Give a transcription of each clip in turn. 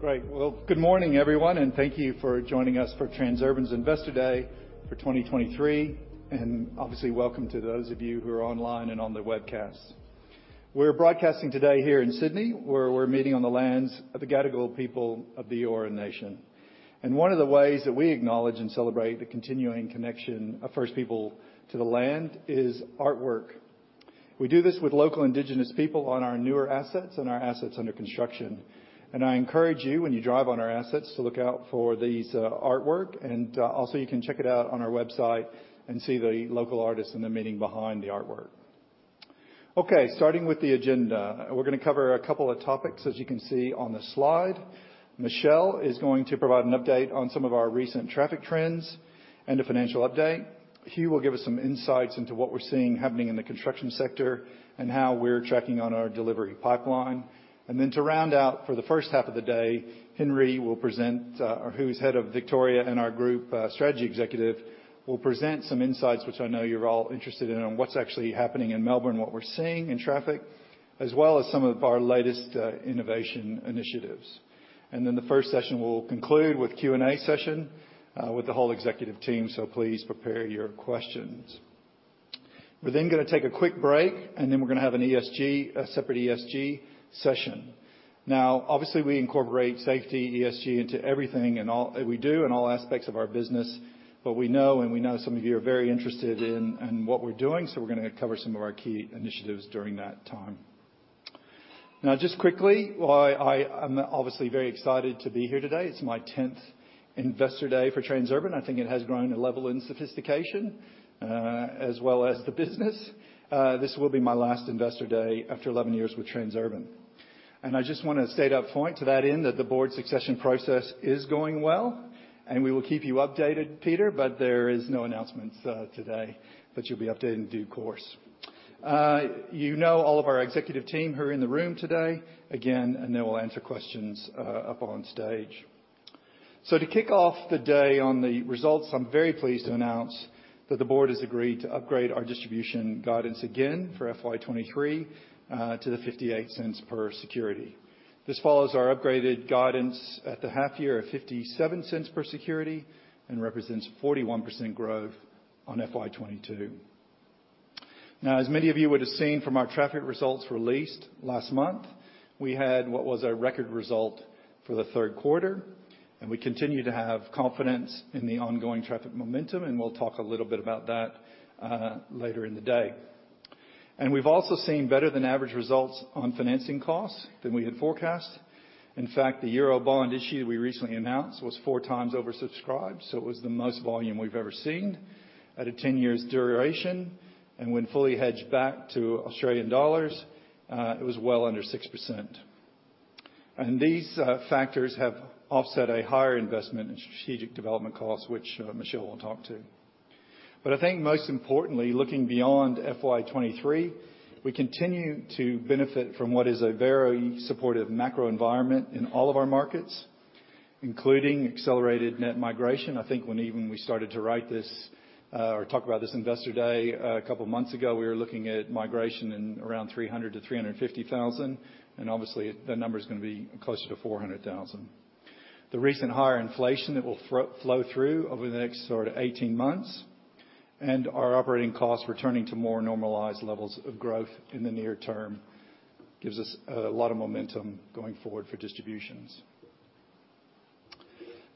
Great. Well, good morning everyone, and thank you for joining us for Transurban's Investor Day for 2023. Obviously, welcome to those of you who are online and on the webcast. We're broadcasting today here in Sydney, where we're meeting on the lands of the Gadigal people of the Eora Nation. One of the ways that we acknowledge and celebrate the continuing connection of First People to the land is artwork. We do this with local indigenous people on our newer assets and our assets under construction. I encourage you, when you drive on our assets, to look out for these artwork and also you can check it out on our website and see the local artists and the meaning behind the artwork. Okay, starting with the agenda. We're gonna cover a couple of topics, as you can see on the slide. Michelle is going to provide an update on some of our recent traffic trends and a financial update. Hugh will give us some insights into what we're seeing happening in the construction sector and how we're tracking on our delivery pipeline. To round out for the first half of the day, Henry will present, who's head of Victoria and our Group Strategy Executive, will present some insights which I know you're all interested in on what's actually happening in Melbourne, what we're seeing in traffic, as well as some of our latest innovation initiatives. The first session will conclude with Q&A session with the whole executive team. Please prepare your questions. We're then gonna take a quick break, and then we're gonna have a separate ESG session. Obviously, we incorporate safety, ESG into everything and all that we do in all aspects of our business. We know, and we know some of you are very interested in what we're doing, so we're gonna cover some of our key initiatives during that time. Just quickly, while I am obviously very excited to be here today. It's my 10th Investor Day for Transurban. I think it has grown a level in sophistication as well as the business. This will be my last Investor Day after 11 years with Transurban. I just wanna state up front to that end that the board succession process is going well, and we will keep you updated, Peter, but there is no announcements today. You'll be updated in due course. You know all of our executive team who are in the room today. They will answer questions up on stage. To kick off the day on the results, I'm very pleased to announce that the board has agreed to upgrade our distribution guidance again for FY23 to the 0.58 per security. This follows our upgraded guidance at the half year of 0.57 per security and represents 41% growth on FY22. As many of you would have seen from our traffic results released last month, we had what was a record result for the third quarter, and we continue to have confidence in the ongoing traffic momentum, and we'll talk a little bit about that later in the day. We've also seen better than average results on financing costs than we had forecast. In fact, the Euro bond issue we recently announced was 4 times oversubscribed, it was the most volume we've ever seen at a 10 years duration. When fully hedged back to Australian dollars, it was well under 6%. These factors have offset a higher investment in strategic development costs, which Michelle will talk to. I think most importantly, looking beyond FY23, we continue to benefit from what is a very supportive macro environment in all of our markets, including accelerated net migration. I think when even we started to write this or talk about this Investor Day a couple of months ago, we were looking at migration in around 300,000-350,000, obviously that number is gonna be closer to 400,000. The recent higher inflation that will flow through over the next sort of 18 months and our operating costs returning to more normalized levels of growth in the near term gives us a lot of momentum going forward for distributions.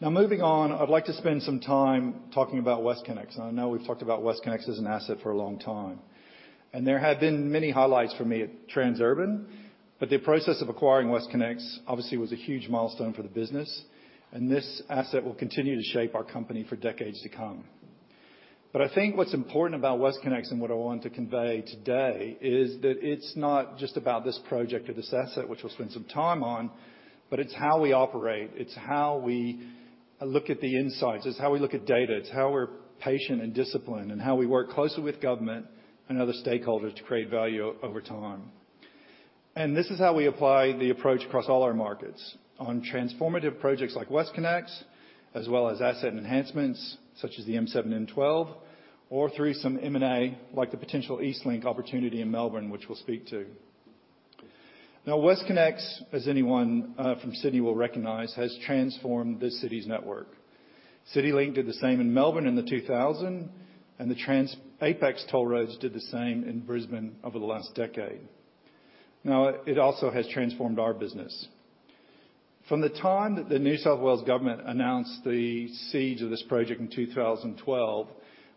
Moving on, I'd like to spend some time talking about WestConnex. I know we've talked about WestConnex as an asset for a long time, and there have been many highlights for me at Transurban, but the process of acquiring WestConnex obviously was a huge milestone for the business, and this asset will continue to shape our company for decades to come. I think what's important about WestConnex and what I want to convey today is that it's not just about this project or this asset, which we'll spend some time on, but it's how we operate, it's how we look at the insights, it's how we look at data, it's how we're patient and disciplined, and how we work closely with government and other stakeholders to create value over time. This is how we apply the approach across all our markets on transformative projects like WestConnex, as well as asset enhancements such as the M7-M12, or through some M&A like the potential EastLink opportunity in Melbourne, which we'll speak to. WestConnex, as anyone from Sydney will recognize, has transformed this city's network. CityLink did the same in Melbourne in the 2000, and the TransApex toll roads did the same in Brisbane over the last decade. It also has transformed our business. From the time that the New South Wales Government announced the siege of this project in 2012,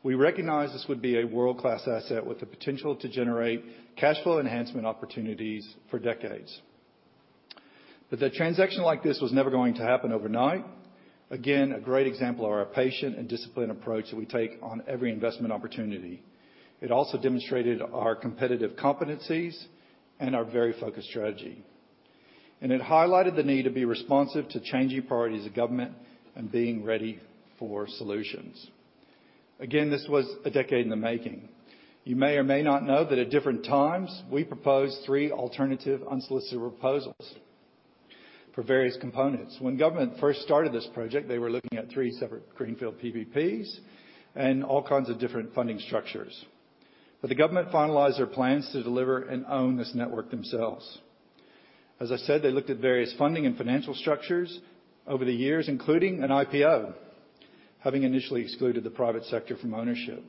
we recognized this would be a world-class asset with the potential to generate cash flow enhancement opportunities for decades. The transaction like this was never going to happen overnight. Again, a great example of our patient and disciplined approach that we take on every investment opportunity. It also demonstrated our competitive competencies and our very focused strategy. It highlighted the need to be responsive to changing priorities of government and being ready for solutions. Again, this was a decade in the making. You may or may not know that at different times, we proposed 3 alternative unsolicited proposals for various components. When government first started this project, they were looking at 3 separate greenfield PBPs and all kinds of different funding structures. The government finalized their plans to deliver and own this network themselves. As I said, they looked at various funding and financial structures over the years, including an IPO, having initially excluded the private sector from ownership.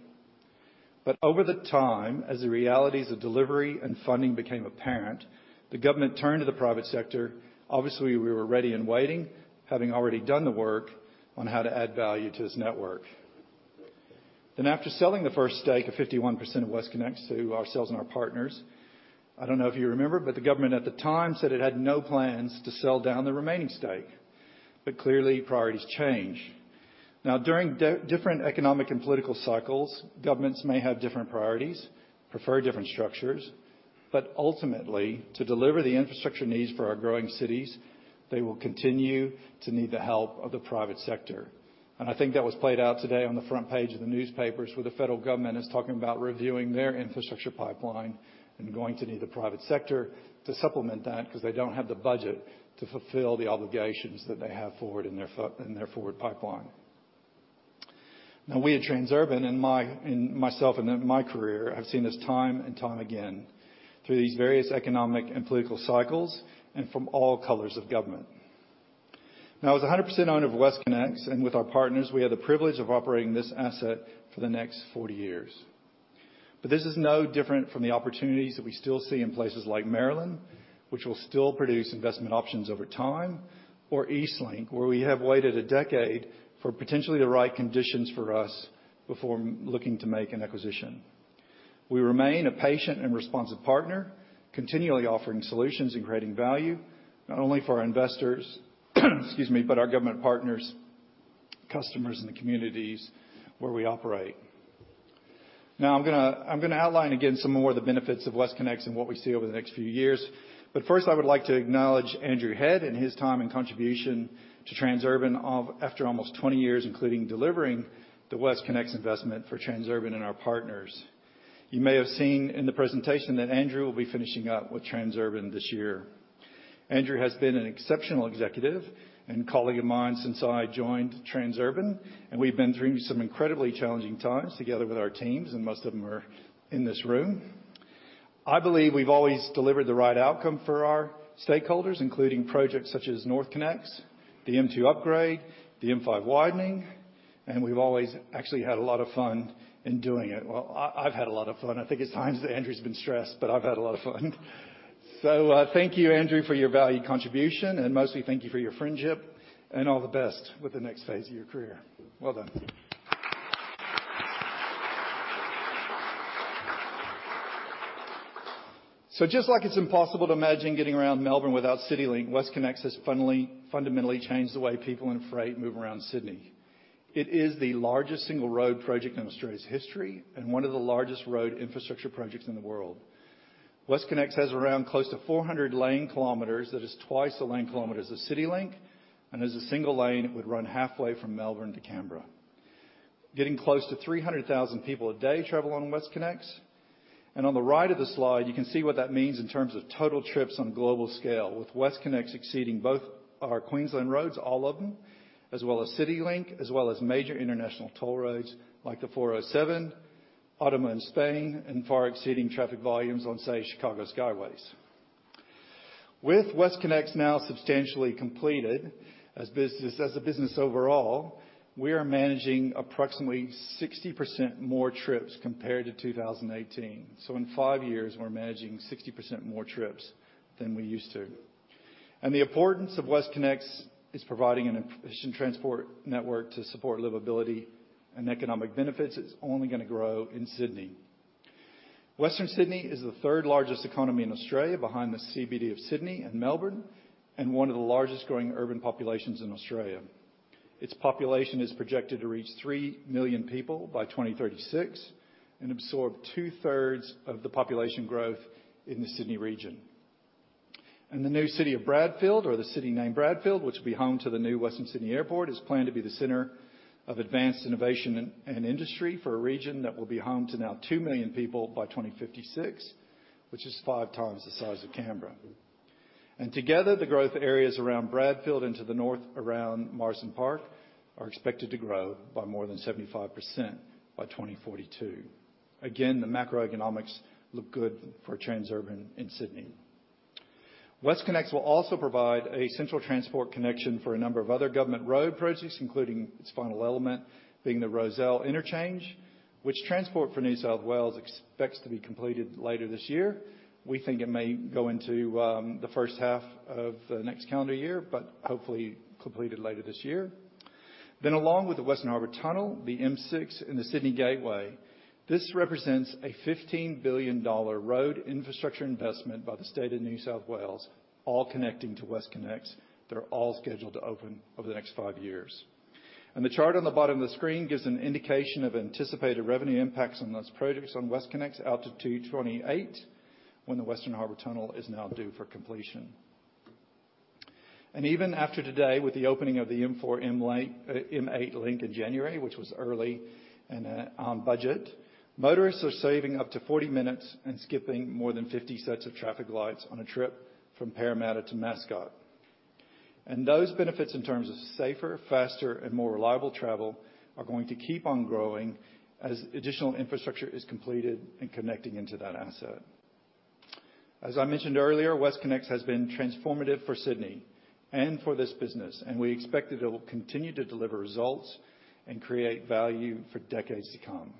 Over the time, as the realities of delivery and funding became apparent, the government turned to the private sector. Obviously, we were ready and waiting, having already done the work on how to add value to this network. After selling the first stake of 51% of WestConnex to ourselves and our partners, I don't know if you remember, but the government at the time said it had no plans to sell down the remaining stake. Clearly priorities change. Now, during different economic and political cycles, governments may have different priorities, prefer different structures, but ultimately, to deliver the infrastructure needs for our growing cities, they will continue to need the help of the private sector. I think that was played out today on the front page of the newspapers, where the federal government is talking about reviewing their infrastructure pipeline and going to need the private sector to supplement that because they don't have the budget to fulfill the obligations that they have forward in their forward pipeline. We at Transurban and myself and at my career, I've seen this time and time again through these various economic and political cycles and from all colors of government. As 100 percent owner of WestConnex and with our partners, we have the privilege of operating this asset for the next 40 years. This is no different from the opportunities that we still see in places like Maryland, which will still produce investment options over time. EastLink, where we have waited a decade for potentially the right conditions for us before looking to make an acquisition. We remain a patient and responsive partner, continually offering solutions and creating value not only for our investors, excuse me, but our government partners, customers, and the communities where we operate. I'm gonna outline again some more of the benefits of WestConnex and what we see over the next few years. First, I would like to acknowledge Andrew Head and his time and contribution to Transurban after almost 20 years, including delivering the WestConnex investment for Transurban and our partners. You may have seen in the presentation that Andrew will be finishing up with Transurban this year. Andrew has been an exceptional executive and colleague of mine since I joined Transurban, and we've been through some incredibly challenging times together with our teams, and most of them are in this room. I believe we've always delivered the right outcome for our stakeholders, including projects such as NorthConnex, the M2 upgrade, the M5 widening, and we've always actually had a lot of fun in doing it. Well, I've had a lot of fun. I think at times Andrew's been stressed, but I've had a lot of fun. Thank you, Andrew, for your valued contribution and mostly thank you for your friendship and all the best with the next phase of your career. Well done. Just like it's impossible to imagine getting around Melbourne without CityLink, WestConnex has fundamentally changed the way people and freight move around Sydney. It is the largest single road project in Australia's history and one of the largest road infrastructure projects in the world. WestConnex has around close to 400 lane kilometers. That is twice the lane kilometers of CityLink, and as a single lane, it would run halfway from Melbourne to Canberra. Getting close to 300,000 people a day travel on WestConnex. On the right of the slide, you can see what that means in terms of total trips on global scale, with WestConnex exceeding both our Queensland roads, all of them, as well as CityLink, as well as major international toll roads like the 407, Autopistas España, and far exceeding traffic volumes on, say, Chicago Skyways. With WestConnex now substantially completed as a business overall, we are managing approximately 60% more trips compared to 2018. In 5 years, we're managing 60% more trips than we used to. The importance of WestConnex is providing an efficient transport network to support livability and economic benefits is only gonna grow in Sydney. Western Sydney is the third largest economy in Australia behind the CBD of Sydney and Melbourne, and one of the largest growing urban populations in Australia. Its population is projected to reach 3 million people by 2036 and absorb two-thirds of the population growth in the Sydney region. The new city of Bradfield or the city named Bradfield, which will be home to the new Western Sydney Airport, is planned to be the center of advanced innovation and industry for a region that will be home to now 2 million people by 2056, which is 5 times the size of Canberra. Together, the growth areas around Bradfield into the north around Marsden Park are expected to grow by more than 75% by 2042. Again, the macroeconomics look good for Transurban in Sydney. WestConnex will also provide a central transport connection for a number of other government road projects, including its final element being the Rozelle Interchange, which Transport for New South Wales expects to be completed later this year. We think it may go into the first half of the next calendar year, but hopefully completed later this year. Along with the Western Harbor Tunnel, the M6, and the Sydney Gateway, this represents an 15 billion dollar road infrastructure investment by the state of New South Wales, all connecting to WestConnex. They're all scheduled to open over the next five years. The chart on the bottom of the screen gives an indication of anticipated revenue impacts on those projects on WestConnex out to 2028, when the Western Harbor Tunnel is now due for completion. Even after today, with the opening of the M4-M8 Link in January, which was early and on budget, motorists are saving up to 40 minutes and skipping more than 50 sets of traffic lights on a trip from Parramatta to Mascot. Those benefits in terms of safer, faster, and more reliable travel are going to keep on growing as additional infrastructure is completed and connecting into that asset. As I mentioned earlier, WestConnex has been transformative for Sydney and for this business, and we expect it will continue to deliver results and create value for decades to come.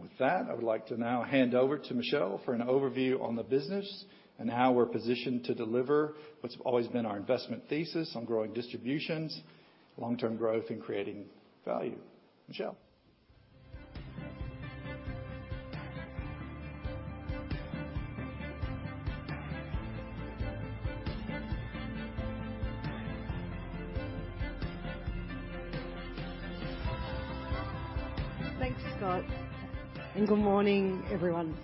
With that, I would like to now hand over to Michelle for an overview on the business and how we're positioned to deliver what's always been our investment thesis on growing distributions, long-term growth, and creating value. Michelle. Thanks, Scott, good morning, everyone.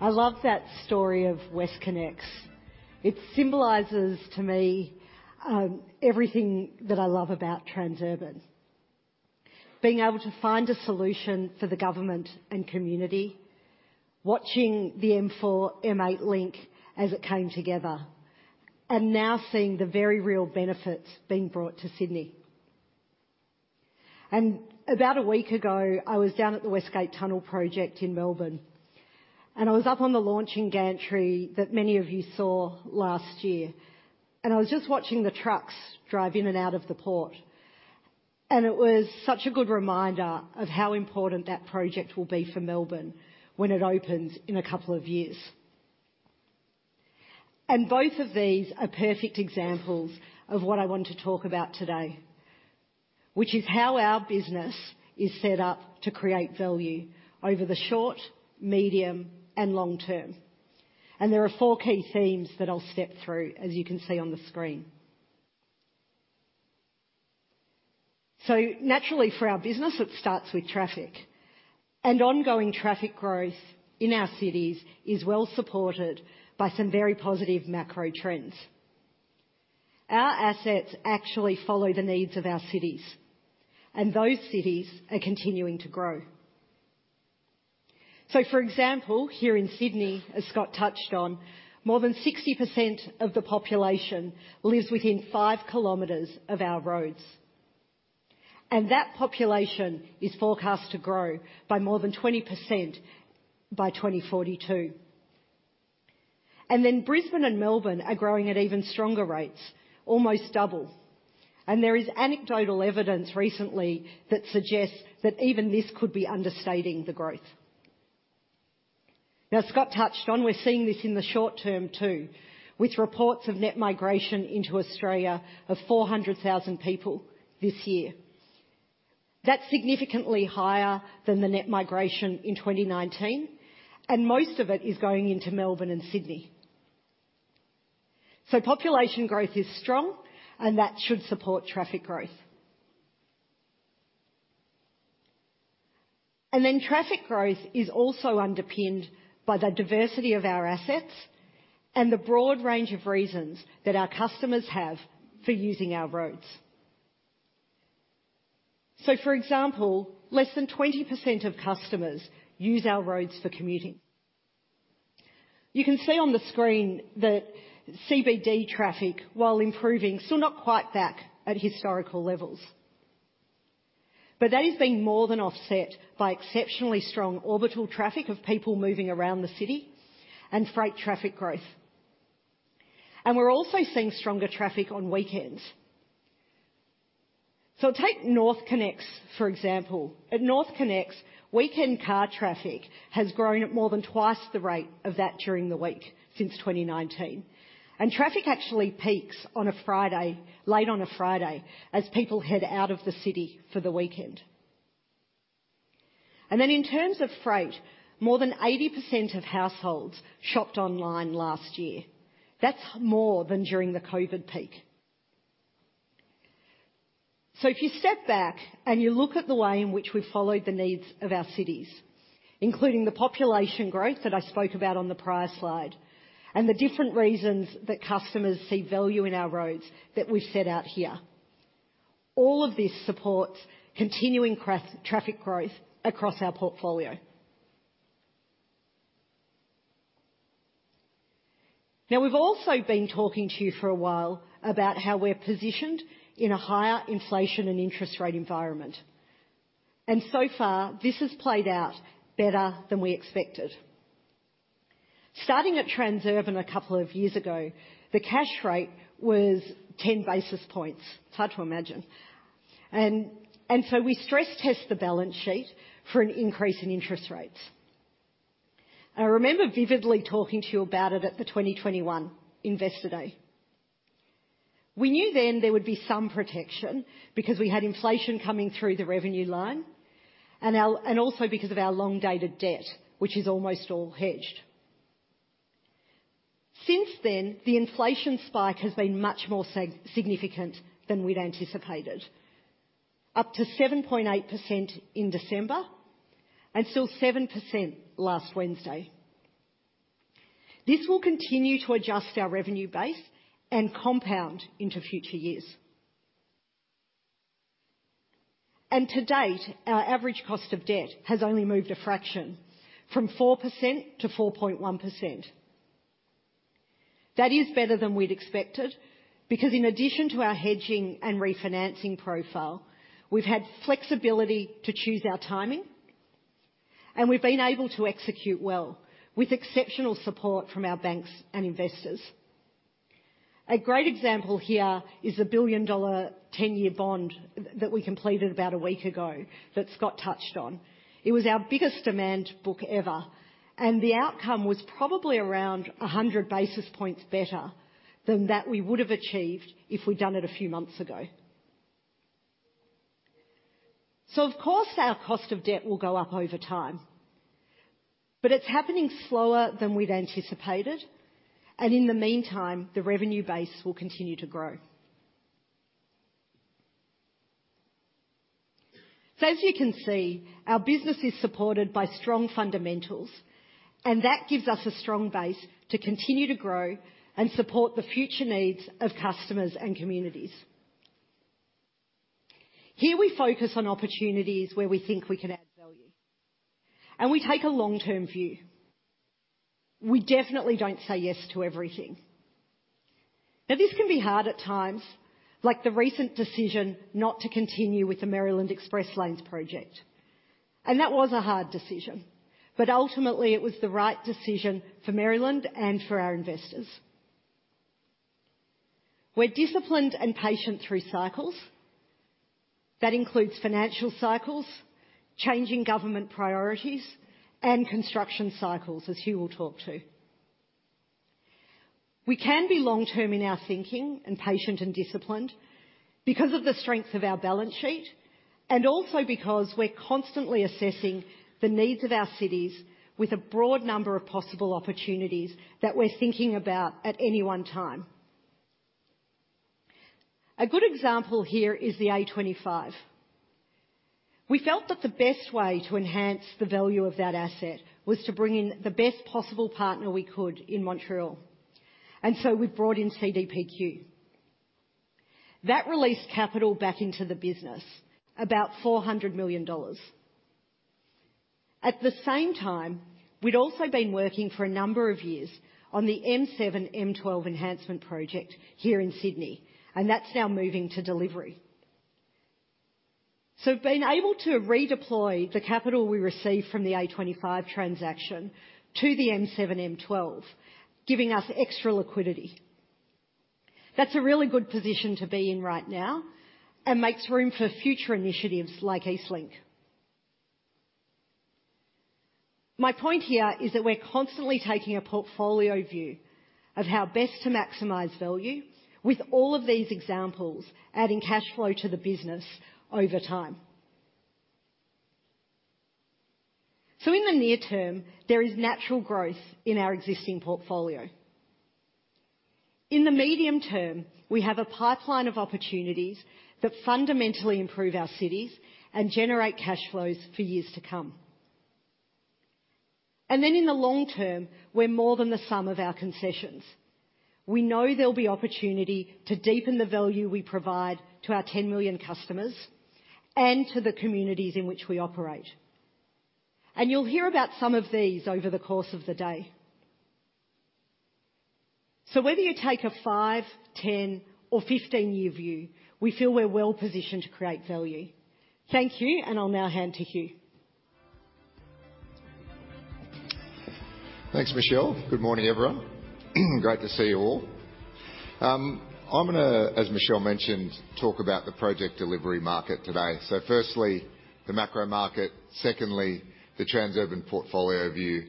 I love that story of WestConnex. It symbolizes to me everything that I love about Transurban. Being able to find a solution for the government and community. Watching the M4-M8 link as it came together, and now seeing the very real benefits being brought to Sydney. About 1 week ago, I was down at the West Gate Tunnel project in Melbourne, and I was up on the launching gantry that many of you saw last year. I was just watching the trucks drive in and out of the port. It was such a good reminder of how important that project will be for Melbourne when it opens in 2 years. Both of these are perfect examples of what I want to talk about today, which is how our business is set up to create value over the short, medium, and long term. There are four key themes that I'll step through, as you can see on the screen. Naturally, for our business, it starts with traffic. Ongoing traffic growth in our cities is well supported by some very positive macro trends. Our assets actually follow the needs of our cities, and those cities are continuing to grow. For example, here in Sydney, as Scott touched on, more than 60% of the population lives within 5 kilometers of our roads. That population is forecast to grow by more than 20% by 2042. Brisbane and Melbourne are growing at even stronger rates, almost double. There is anecdotal evidence recently that suggests that even this could be understating the growth. Scott touched on we're seeing this in the short term too, with reports of net migration into Australia of 400,000 people this year. That's significantly higher than the net migration in 2019, and most of it is going into Melbourne and Sydney. Population growth is strong, and that should support traffic growth. Traffic growth is also underpinned by the diversity of our assets and the broad range of reasons that our customers have for using our roads. For example, less than 20% of customers use our roads for commuting. You can see on the screen that CBD traffic while improving, still not quite back at historical levels. That is being more than offset by exceptionally strong orbital traffic of people moving around the city and freight traffic growth. We're also seeing stronger traffic on weekends. Take NorthConnex, for example. At NorthConnex, weekend car traffic has grown at more than twice the rate of that during the week since 2019. Traffic actually peaks on a Friday, late on a Friday as people head out of the city for the weekend. In terms of freight, more than 80% of households shopped online last year. That's more than during the COVID peak. If you step back and you look at the way in which we've followed the needs of our cities, including the population growth that I spoke about on the prior slide, and the different reasons that customers see value in our roads that we've set out here, all of this supports continuing traffic growth across our portfolio. Now, we've also been talking to you for a while about how we're positioned in a higher inflation and interest rate environment. So far, this has played out better than we expected. Starting at Transurban a couple of years ago, the cash rate was 10 basis points. It's hard to imagine. So we stress test the balance sheet for an increase in interest rates. I remember vividly talking to you about it at the 2021 Investor Day. We knew then there would be some protection because we had inflation coming through the revenue line and also because of our long dated debt, which is almost all hedged. Since then, the inflation spike has been much more significant than we'd anticipated, up to 7.8% in December and still 7% last Wednesday. This will continue to adjust our revenue base and compound into future years. To date, our average cost of debt has only moved a fraction from 4% to 4.1%. That is better than we'd expected because in addition to our hedging and refinancing profile, we've had flexibility to choose our timing, and we've been able to execute well with exceptional support from our banks and investors. A great example here is the billion-dollar 10-year bond that we completed about a week ago that Scott touched on. It was our biggest demand book ever, the outcome was probably around 100 basis points better than that we would have achieved if we'd done it a few months ago. Of course, our cost of debt will go up over time, it's happening slower than we'd anticipated, in the meantime, the revenue base will continue to grow. As you can see, our business is supported by strong fundamentals, that gives us a strong base to continue to grow and support the future needs of customers and communities. Here we focus on opportunities where we think we can add value, we take a long-term view. We definitely don't say yes to everything. This can be hard at times, like the recent decision not to continue with the Maryland Express Lanes project. That was a hard decision, but ultimately it was the right decision for Maryland and for our investors. We're disciplined and patient through cycles. That includes financial cycles, changing government priorities, and construction cycles, as Hugh will talk to. We can be long-term in our thinking and patient and disciplined because of the strength of our balance sheet and also because we're constantly assessing the needs of our cities with a broad number of possible opportunities that we're thinking about at any one time. A good example here is the A25. We felt that the best way to enhance the value of that asset was to bring in the best possible partner we could in Montreal. We've brought in CDPQ. That released capital back into the business, about $400 million. At the same time, we'd also been working for a number of years on the M7-M12 enhancement project here in Sydney. That's now moving to delivery. Being able to redeploy the capital we received from the A25 transaction to the M7-M12, giving us extra liquidity. That's a really good position to be in right now and makes room for future initiatives like EastLink. My point here is that we're constantly taking a portfolio view of how best to maximize value with all of these examples adding cash flow to the business over time. In the near term, there is natural growth in our existing portfolio. In the medium term, we have a pipeline of opportunities that fundamentally improve our cities and generate cash flows for years to come. In the long term, we're more than the sum of our concessions. We know there'll be opportunity to deepen the value we provide to our 10 million customers and to the communities in which we operate. You'll hear about some of these over the course of the day. Whether you take a 5, 10, or 15-year view, we feel we're well-positioned to create value. Thank you. I'll now hand to Hugh. Thanks, Michelle. Good morning, everyone. Great to see you all. I'm gonna, as Michelle mentioned, talk about the project delivery market today. Firstly, the macro market. Secondly, the Transurban portfolio view.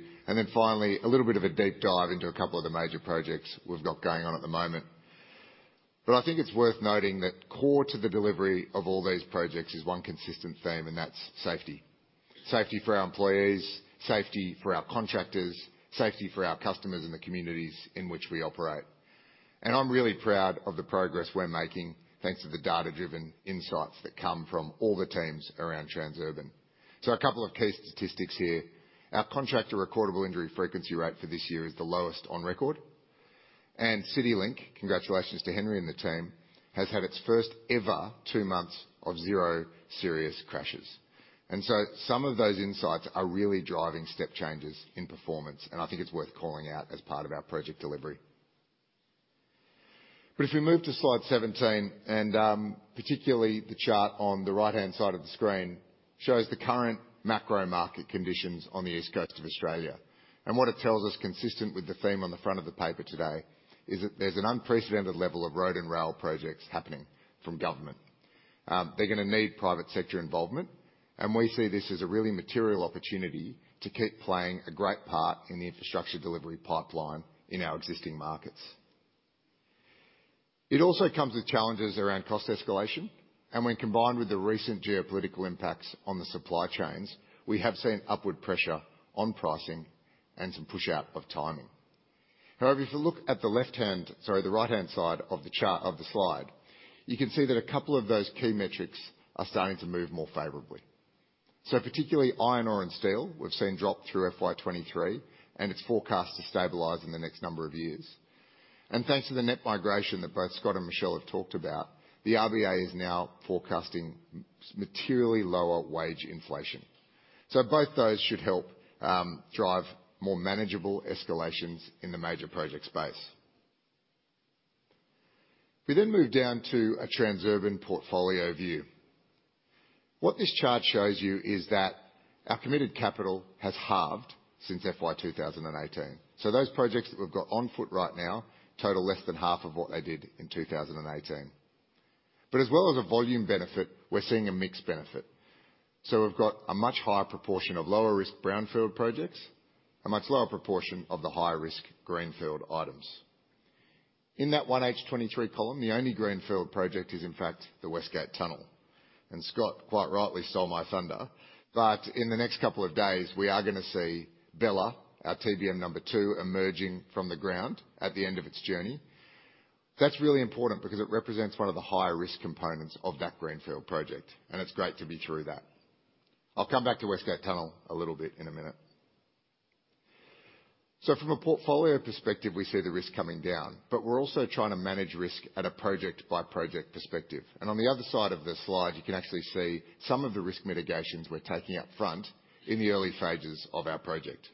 Finally, a little bit of a deep dive into a couple of the major projects we've got going on at the moment. I think it's worth noting that core to the delivery of all these projects is one consistent theme, and that's safety. Safety for our employees, safety for our contractors, safety for our customers and the communities in which we operate. I'm really proud of the progress we're making thanks to the data-driven insights that come from all the teams around Transurban. A couple of key statistics here. Our contractor recordable injury frequency rate for this year is the lowest on record. Citylink, congratulations to Henry and the team, has had its first ever 2 months of zero serious crashes. Some of those insights are really driving step changes in performance, and I think it's worth calling out as part of our project delivery. If we move to slide 17 and, particularly the chart on the right-hand side of the screen shows the current macro market conditions on the east coast of Australia. What it tells us, consistent with the theme on the front of the paper today, is that there's an unprecedented level of road and rail projects happening from government. They're gonna need private sector involvement, and we see this as a really material opportunity to keep playing a great part in the infrastructure delivery pipeline in our existing markets. It also comes with challenges around cost escalation. When combined with the recent geopolitical impacts on the supply chains, we have seen upward pressure on pricing and some push out of timing. If you look at the left-hand, sorry, the right-hand side of the slide, you can see that a couple of those key metrics are starting to move more favorably. Particularly iron ore and steel, we've seen drop through FY23, and it's forecast to stabilize in the next number of years. Thanks to the net migration that both Scott and Michelle have talked about, the RBA is now forecasting materially lower wage inflation. Both those should help drive more manageable escalations in the major project space. We move down to a Transurban portfolio view. What this chart shows you is that our committed capital has halved since FY2018. Those projects that we've got on foot right now total less than half of what they did in 2018. As well as a volume benefit, we're seeing a mix benefit. We've got a much higher proportion of lower risk brownfield projects, a much lower proportion of the higher risk greenfield items. In that 1H23 column, the only greenfield project is in fact the West Gate Tunnel. Scott quite rightly stole my thunder, but in the next couple of days, we are gonna see Bella, our TBM number 2, emerging from the ground at the end of its journey. That's really important because it represents one of the higher risk components of that greenfield project, and it's great to be through that. I'll come back to West Gate Tunnel a little bit in a minute. From a portfolio perspective, we see the risk coming down, but we're also trying to manage risk at a project-by-project perspective. On the other side of the slide, you can actually see some of the risk mitigations we're taking up front in the early stages of our project.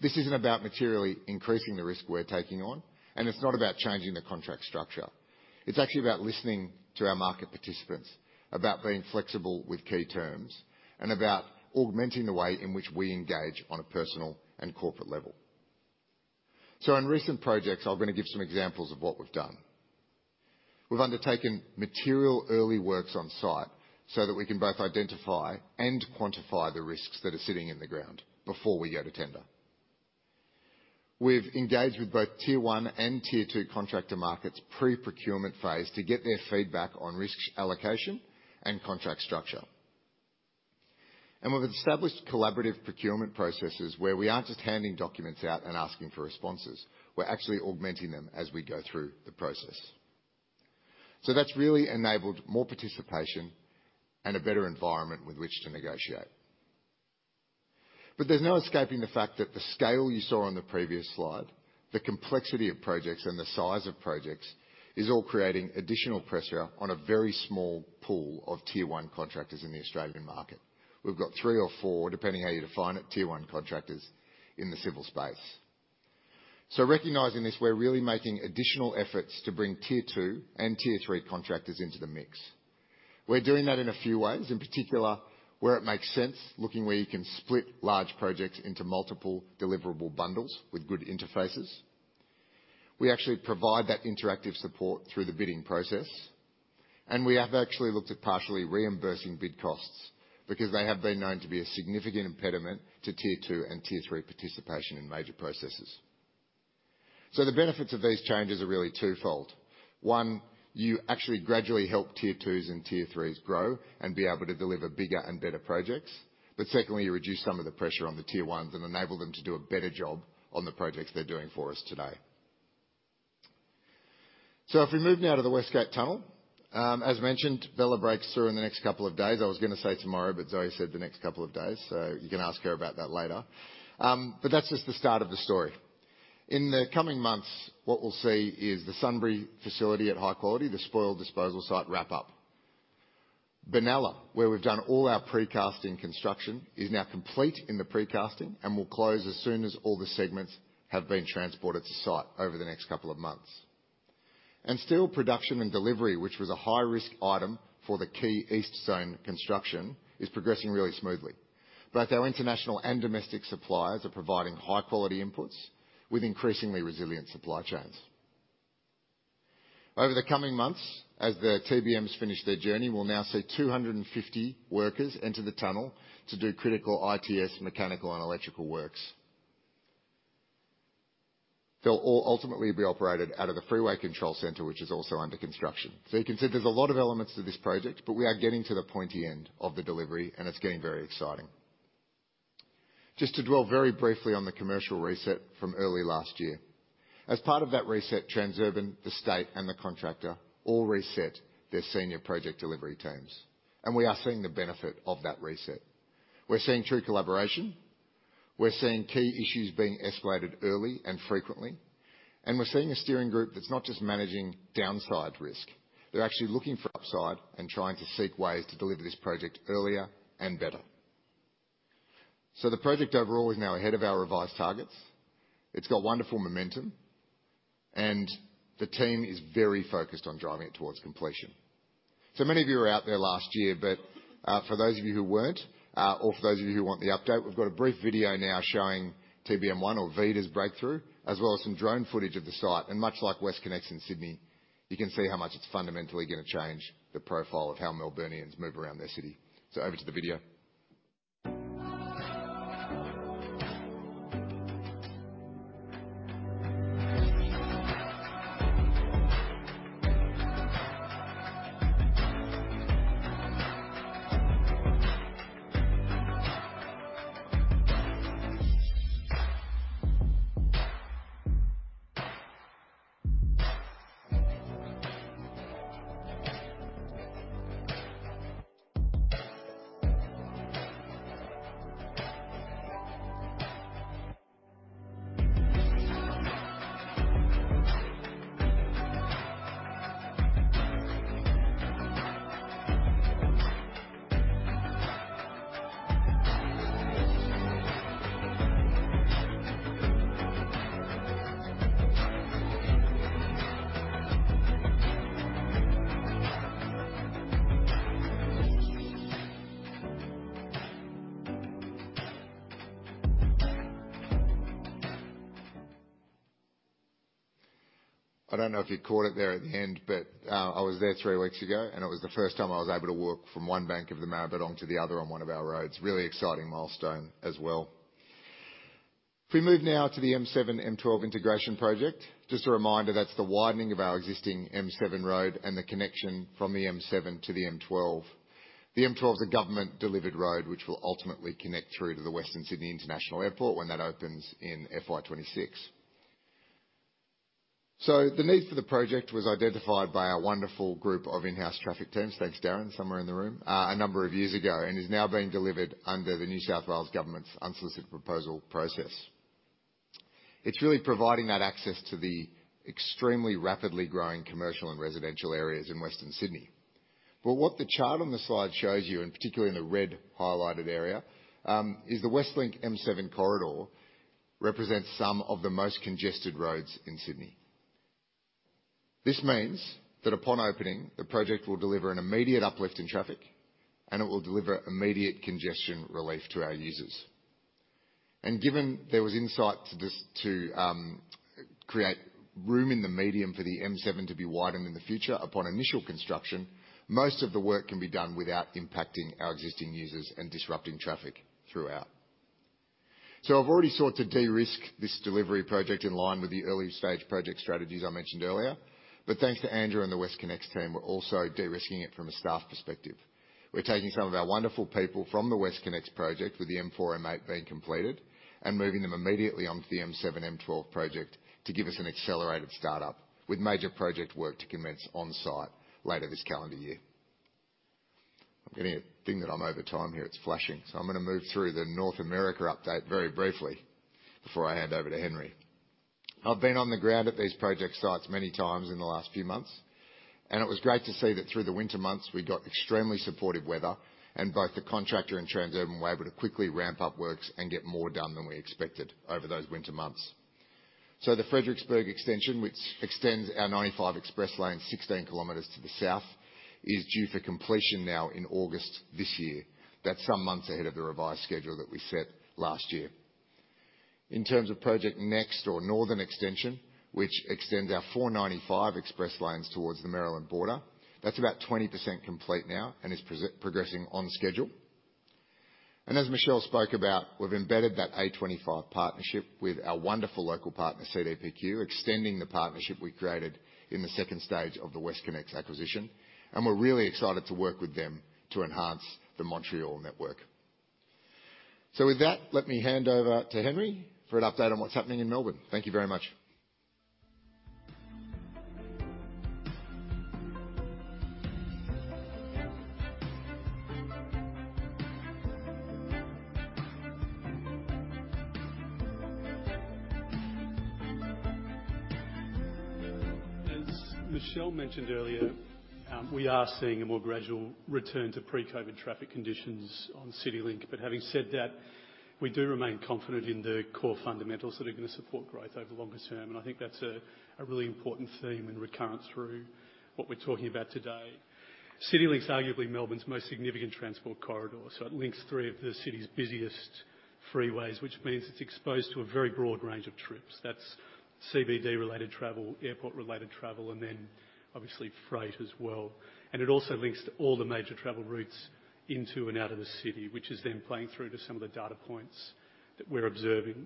This isn't about materially increasing the risk we're taking on, and it's not about changing the contract structure. It's actually about listening to our market participants, about being flexible with key terms, and about augmenting the way in which we engage on a personal and corporate level. In recent projects, I'm gonna give some examples of what we've done. We've undertaken material early works on site so that we can both identify and quantify the risks that are sitting in the ground before we go to tender. We've engaged with both tier one and tier two contractor markets pre-procurement phase to get their feedback on risk allocation and contract structure. We've established collaborative procurement processes where we aren't just handing documents out and asking for responses. We're actually augmenting them as we go through the process. That's really enabled more participation and a better environment with which to negotiate. There's no escaping the fact that the scale you saw on the previous slide, the complexity of projects and the size of projects is all creating additional pressure on a very small pool of tier one contractors in the Australian market. We've got three or four, depending how you define it, tier one contractors in the civil space. Recognizing this, we're really making additional efforts to bring tier two and tier three contractors into the mix. We're doing that in a few ways. In particular, where it makes sense, looking where you can split large projects into multiple deliverable bundles with good interfaces. We actually provide that interactive support through the bidding process, and we have actually looked at partially reimbursing bid costs because they have been known to be a significant impediment to tier two and tier three participation in major processes. The benefits of these changes are really twofold. One, you actually gradually help tier twos and tier threes grow and be able to deliver bigger and better projects. But secondly, you reduce some of the pressure on the tier ones and enable them to do a better job on the projects they're doing for us today. If we move now to the West Gate Tunnel, as mentioned, Bella breaks through in the next couple of days. I was gonna say tomorrow, but Zoe said the next couple of days, so you can ask her about that later. That's just the start of the story. In the coming months, what we'll see is the Sunbury facility at Hi-Quality, the spoil disposal site wrap up. Benalla, where we've done all our precasting construction, is now complete in the precasting and will close as soon as all the segments have been transported to site over the next couple of months. Steel production and delivery, which was a high-risk item for the key east zone construction is progressing really smoothly. Both our international and domestic suppliers are providing high-quality inputs with increasingly resilient supply chains. Over the coming months, as the TBMs finish their journey, we'll now see 250 workers enter the tunnel to do critical ITS mechanical and electrical works. They'll all ultimately be operated out of the freeway control center, which is also under construction. You can see there's a lot of elements to this project, but we are getting to the pointy end of the delivery, and it's getting very exciting. Just to dwell very briefly on the commercial reset from early last year. As part of that reset, Transurban, the state, and the contractor all reset their senior project delivery teams, and we are seeing the benefit of that reset. We're seeing true collaboration. We're seeing key issues being escalated early and frequently. We're seeing a steering group that's not just managing downside risk. They're actually looking for upside and trying to seek ways to deliver this project earlier and better. The project overall is now ahead of our revised targets. It's got wonderful momentum, the team is very focused on driving it towards completion. Many of you were out there last year, but for those of you who weren't, or for those of you who want the update, we've got a brief video now showing TBM 1 or Vida's breakthrough, as well as some drone footage of the site. Much like WestConnex in Sydney, you can see how much it's fundamentally gonna change the profile of how Melburnians move around their city. Over to the video. I don't know if you caught it there at the end, but I was there 3 weeks ago, and it was the 1st time I was able to walk from 1 bank of the Murrumbidgee to the other on 1 of our roads. Really exciting milestone as well. If we move now to the M7-M12 integration project. Just a reminder, that's the widening of our existing M7 road and the connection from the M7 to the M12. The M12 is a government-delivered road, which will ultimately connect through to the Western Sydney International Airport when that opens in FY26. The need for the project was identified by our wonderful group of in-house traffic teams, thanks, Darren, somewhere in the room, a number of years ago and is now being delivered under the NSW Government's unsolicited proposal process. It's really providing that access to the extremely rapidly growing commercial and residential areas in Western Sydney. What the chart on the slide shows you, and particularly in the red highlighted area, is the Westlink M7 corridor represents some of the most congested roads in Sydney. This means that upon opening, the project will deliver an immediate uplift in traffic, and it will deliver immediate congestion relief to our users. Given there was insight to this to create room in the medium for the M7 to be widened in the future upon initial construction, most of the work can be done without impacting our existing users and disrupting traffic throughout. I've already sought to de-risk this delivery project in line with the early-stage project strategies I mentioned earlier. Thanks to Andrew and the WestConnex team, we're also de-risking it from a staff perspective. We're taking some of our wonderful people from the WestConnex project with the M4/M8 being completed and moving them immediately onto the M7/M12 project to give us an accelerated start-up, with major project work to commence on-site later this calendar year. I'm getting a thing that I'm over time here. It's flashing. I'm gonna move through the North America update very briefly before I hand over to Henry. I've been on the ground at these project sites many times in the last few months, and it was great to see that through the winter months we got extremely supportive weather and both the contractor and Transurban were able to quickly ramp up works and get more done than we expected over those winter months. The Fredericksburg Extension, which extends our 95 Express Lane 16 kilometers to the south, is due for completion now in August this year. That's some months ahead of the revised schedule that we set last year. Project Next or Northern Extension, which extends our 495 Express Lanes towards the Maryland border, that's about 20% complete now and is progressing on schedule. As Michelle spoke about, we've embedded that A25 partnership with our wonderful local partner, CDPQ, extending the partnership we created in the second stage of the WestConnex acquisition, and we're really excited to work with them to enhance the Montreal network. With that, let me hand over to Henry for an update on what's happening in Melbourne. Thank you very much. As Michelle mentioned earlier, we are seeing a more gradual return to pre-COVID traffic conditions on CityLink. Having said that, we do remain confident in the core fundamentals that are gonna support growth over the longer term, and I think that's a really important theme and recurrent through what we're talking about today. CityLink's arguably Melbourne's most significant transport corridor, it links three of the city's busiest freeways, which means it's exposed to a very broad range of trips. That's CBD-related travel, airport-related travel, obviously freight as well. It also links to all the major travel routes into and out of the city, which is playing through to some of the data points that we're observing.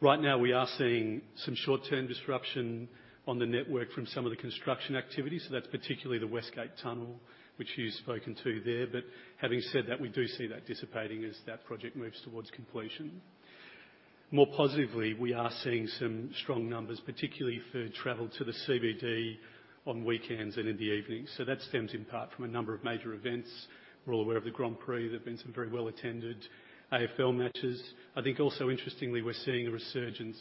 Right now we are seeing some short-term disruption on the network from some of the construction activities. That's particularly the West Gate Tunnel, which you've spoken to there. Having said that, we do see that dissipating as that project moves towards completion. More positively, we are seeing some strong numbers, particularly for travel to the CBD on weekends and in the evenings. That stems in part from a number of major events. We're all aware of the Grand Prix. There've been some very well-attended AFL matches. I think also interestingly, we're seeing a resurgence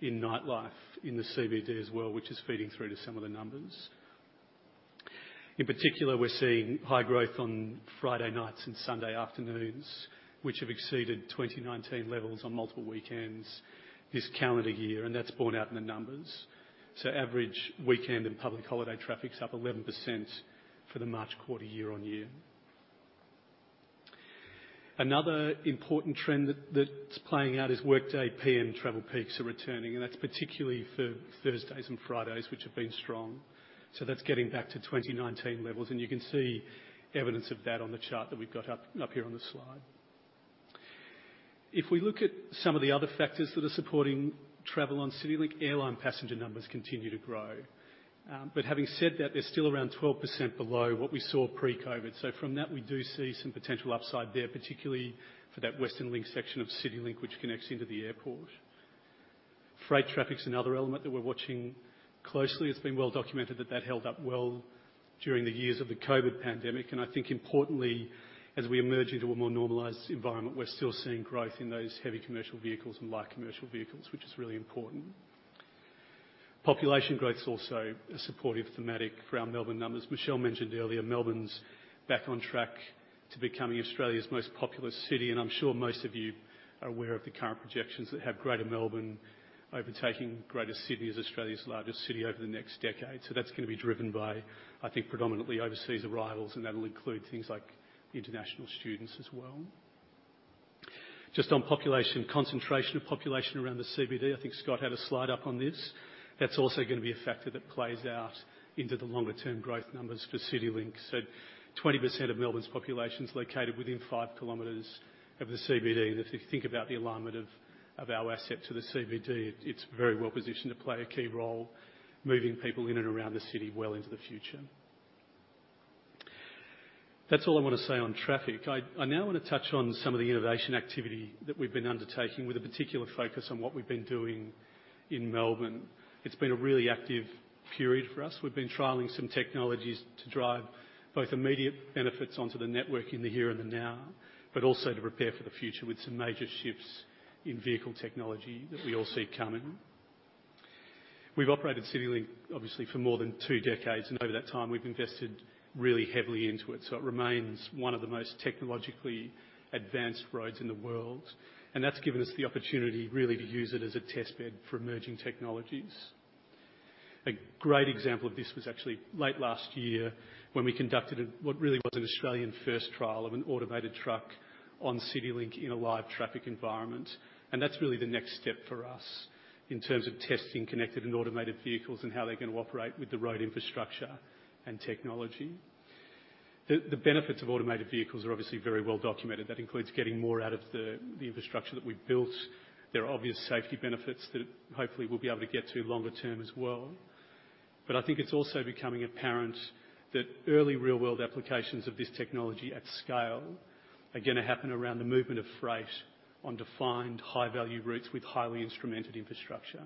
in nightlife in the CBD as well, which is feeding through to some of the numbers. In particular, we're seeing high growth on Friday nights and Sunday afternoons, which have exceeded 2019 levels on multiple weekends this calendar year, and that's borne out in the numbers. Average weekend and public holiday traffic's up 11% for the March quarter year-over-year. Another important trend that's playing out is workday PM travel peaks are returning, and that's particularly for Thursdays and Fridays, which have been strong. That's getting back to 2019 levels, and you can see evidence of that on the chart that we've got up here on the slide. If we look at some of the other factors that are supporting travel on CityLink, airline passenger numbers continue to grow. Having said that, they're still around 12% below what we saw pre-COVID. From that, we do see some potential upside there, particularly for that Western Link section of CityLink, which connects into the airport. Freight traffic's another element that we're watching closely. It's been well documented that that held up well during the years of the COVID pandemic. I think importantly, as we emerge into a more normalized environment, we're still seeing growth in those heavy commercial vehicles and light commercial vehicles, which is really important. Population growth's also a supportive thematic for our Melbourne numbers. Michelle mentioned earlier, Melbourne's back on track to becoming Australia's most populous city. I'm sure most of you are aware of the current projections that have Greater Melbourne overtaking Greater Sydney as Australia's largest city over the next decade. That's gonna be driven by, I think, predominantly overseas arrivals, and that'll include things like international students as well. Just on population concentration, population around the CBD, I think Scott had a slide up on this. That's also gonna be a factor that plays out into the longer term growth numbers for CityLink. 20% of Melbourne's population is located within 5 kilometers of the CBD. If you think about the alignment of our asset to the CBD, it's very well-positioned to play a key role moving people in and around the city well into the future. That's all I wanna say on traffic. I now wanna touch on some of the innovation activity that we've been undertaking with a particular focus on what we've been doing in Melbourne. It's been a really active period for us. We've been trialing some technologies to drive both immediate benefits onto the network in the here and the now, but also to prepare for the future with some major shifts in vehicle technology that we all see coming. We've operated CityLink, obviously for more than two decades, over that time we've invested really heavily into it remains one of the most technologically advanced roads in the world. That's given us the opportunity really to use it as a test bed for emerging technologies. A great example of this was actually late last year when we conducted what really was an Australian-first trial of an automated truck on CityLink in a live traffic environment. That's really the next step for us in terms of testing connected and automated vehicles and how they're gonna operate with the road infrastructure and technology. The benefits of automated vehicles are obviously very well documented. That includes getting more out of the infrastructure that we've built. There are obvious safety benefits that hopefully we'll be able to get to longer term as well. I think it's also becoming apparent that early real-world applications of this technology at scale are gonna happen around the movement of freight on defined high-value routes with highly instrumented infrastructure.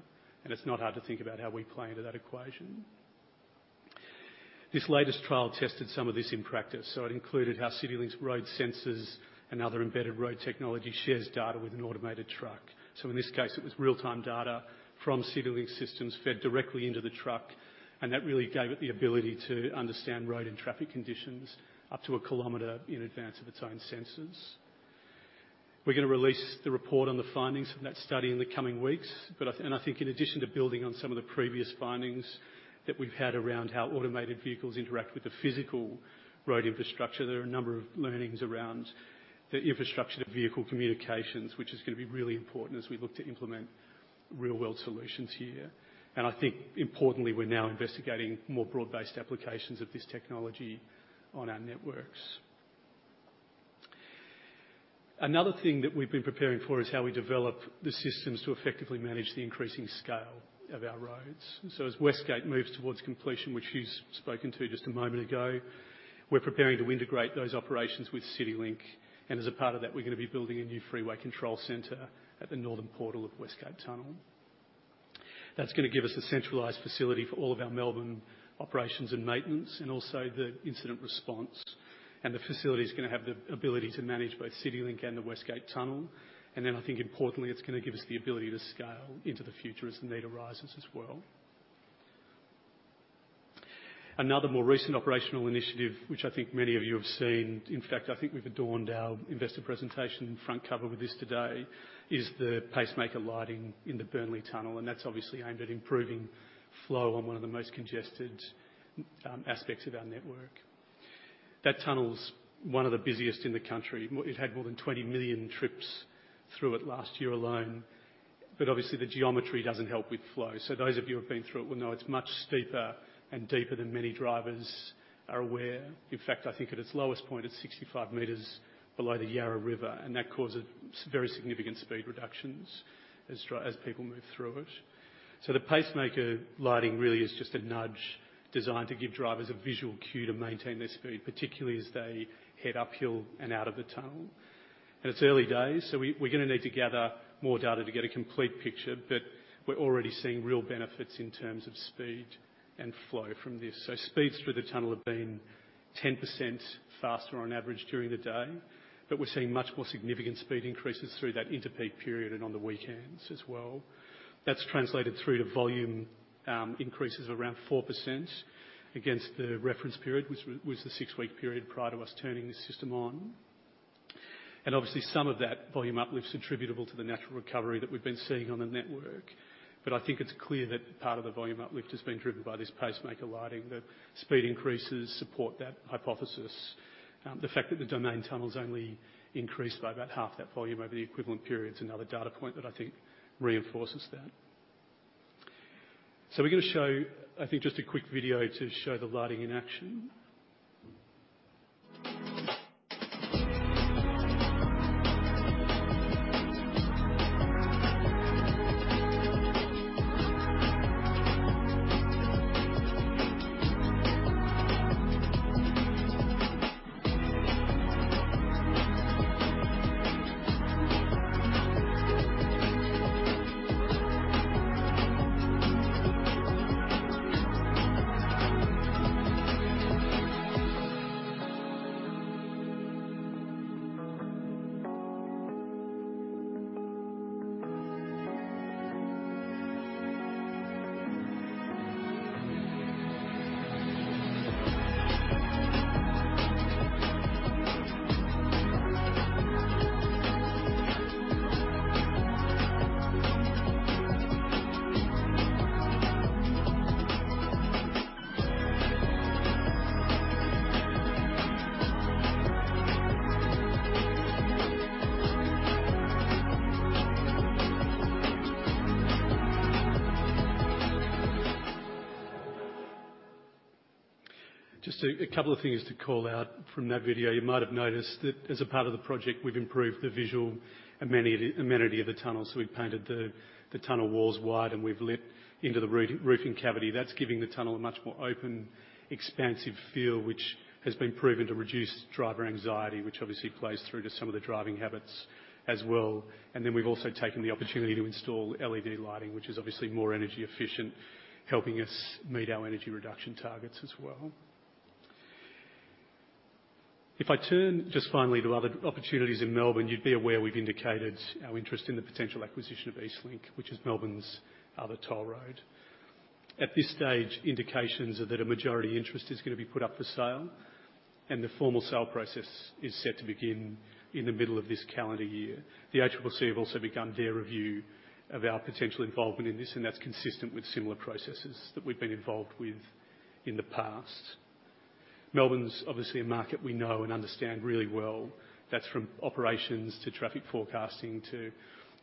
It's not hard to think about how we play into that equation. This latest trial tested some of this in practice, so it included how CityLink's road sensors and other embedded road technology shares data with an automated truck. In this case, it was real-time data from CityLink systems fed directly into the truck, and that really gave it the ability to understand road and traffic conditions up to a kilometer in advance of its own sensors. We're gonna release the report on the findings from that study in the coming weeks. I think in addition to building on some of the previous findings that we've had around how automated vehicles interact with the physical road infrastructure, there are a number of learnings around the infrastructure-to-vehicle communications, which is gonna be really important as we look to implement real-world solutions here. I think importantly, we're now investigating more broad-based applications of this technology on our networks. Another thing that we've been preparing for is how we develop the systems to effectively manage the increasing scale of our roads. As West Gate moves towards completion, which Hugh's spoken to just a moment ago, we're preparing to integrate those operations with CityLink, and as a part of that, we're gonna be building a new freeway control centre at the northern portal of West Gate Tunnel. That's gonna give us a centralized facility for all of our Melbourne operations and maintenance and also the incident response. The facility is gonna have the ability to manage both CityLink and the West Gate Tunnel. I think importantly, it's gonna give us the ability to scale into the future as the need arises as well. Another more recent operational initiative, which I think many of you have seen, in fact, I think we've adorned our investor presentation front cover with this today, is the Pacemaker Lighting in the Burnley Tunnel. That's obviously aimed at improving flow on one of the most congested aspects of our network. That tunnel's one of the busiest in the country. It had more than 20 million trips through it last year alone. Obviously the geometry doesn't help with flow. Those of you who have been through it will know it's much steeper and deeper than many drivers are aware. In fact, I think at its lowest point, it's 65 meters below the Yarra River. That causes very significant speed reductions as people move through it. The Pacemaker Lighting really is just a nudge designed to give drivers a visual cue to maintain their speed, particularly as they head uphill and out of the tunnel. It's early days, we're gonna need to gather more data to get a complete picture, but we're already seeing real benefits in terms of speed and flow from this. Speeds through the tunnel have been 10% faster on average during the day, but we're seeing much more significant speed increases through that interpeak period and on the weekends as well. That's translated through to volume increases of around 4% against the reference period, which was the six-week period prior to us turning this system on. Obviously some of that volume uplift's attributable to the natural recovery that we've been seeing on the network. I think it's clear that part of the volume uplift has been driven by this Pacemaker Lighting. The speed increases support that hypothesis. The fact that the Domain Tunnel's only increased by about half that volume over the equivalent period is another data point that I think reinforces that. We're gonna show, I think, just a quick video to show the lighting in action. Just a couple of things to call out from that video. You might have noticed that as a part of the project, we've improved the visual amenity of the tunnel, so we painted the tunnel walls wide, and we've lit into the roofing cavity. That's giving the tunnel a much more open, expansive feel, which has been proven to reduce driver anxiety, which obviously plays through to some of the driving habits as well. We've also taken the opportunity to install LED lighting, which is obviously more energy efficient, helping us meet our energy reduction targets as well. If I turn just finally to other opportunities in Melbourne, you'd be aware we've indicated our interest in the potential acquisition of EastLink, which is Melbourne's other toll road. At this stage, indications are that a majority interest is going to be put up for sale, and the formal sale process is set to begin in the middle of this calendar year. The ACCC have also begun their review of our potential involvement in this, and that's consistent with similar processes that we've been involved with in the past. Melbourne's obviously a market we know and understand really well. That's from operations to traffic forecasting to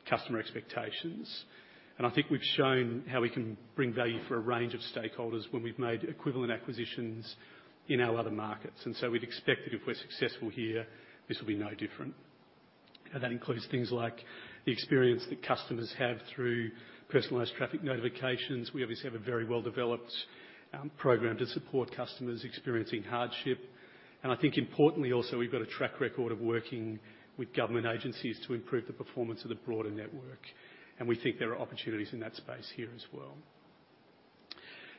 customer expectations. I think we've shown how we can bring value for a range of stakeholders when we've made equivalent acquisitions in our other markets. So we'd expect that if we're successful here, this will be no different. That includes things like the experience that customers have through personalized traffic notifications. We obviously have a very well-developed program to support customers experiencing hardship. I think importantly also, we've got a track record of working with government agencies to improve the performance of the broader network. We think there are opportunities in that space here as well.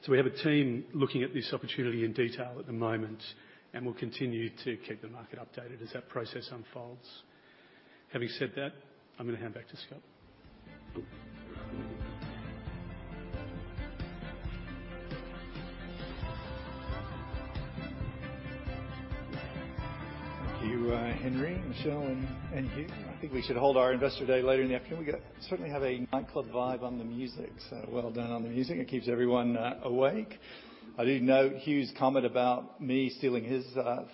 We have a team looking at this opportunity in detail at the moment, and we'll continue to keep the market updated as that process unfolds. Having said that, I'm gonna hand back to Scott. Thank you, Henry, Michelle, and Hugh. I think we should hold our investor day later in the afternoon. We certainly have a nightclub vibe on the music, so well done on the music. It keeps everyone awake. I did note Hugh's comment about me stealing his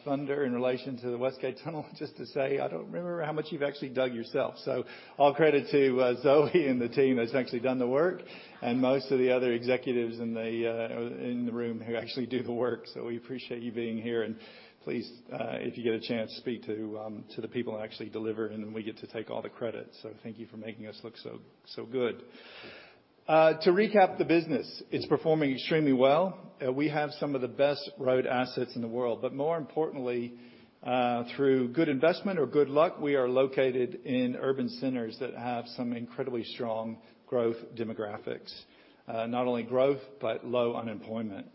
thunder in relation to the West Gate Tunnel. Just to say, I don't remember how much you've actually dug yourself. All credit to Zoe and the team that's actually done the work and most of the other executives in the room who actually do the work. We appreciate you being here. Please, if you get a chance, speak to the people who actually deliver, and then we get to take all the credit. Thank you for making us look so good. To recap the business, it's performing extremely well. We have some of the best road assets in the world. More importantly, through good investment or good luck, we are located in urban centers that have some incredibly strong growth demographics. Not only growth, but low unemployment.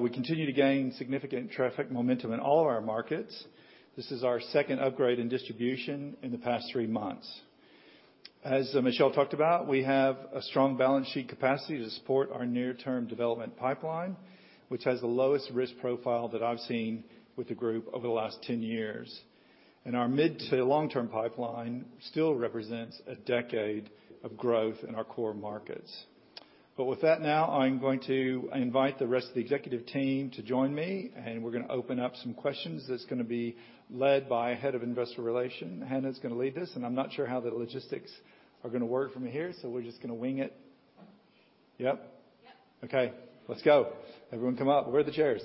We continue to gain significant traffic momentum in all of our markets. This is our second upgrade in distribution in the past three months. As Michelle talked about, we have a strong balance sheet capacity to support our near-term development pipeline, which has the lowest risk profile that I've seen with the group over the last 10 years. Our mid to long-term pipeline still represents a decade of growth in our core markets. With that now, I'm going to invite the rest of the executive team to join me, and we're gonna open up some questions. That's gonna be led by head of Investor Relations. Hannah's gonna lead this. I'm not sure how the logistics are gonna work from here. We're just gonna wing it. Yep. Yep. Okay, let's go. Everyone come up. Where are the chairs?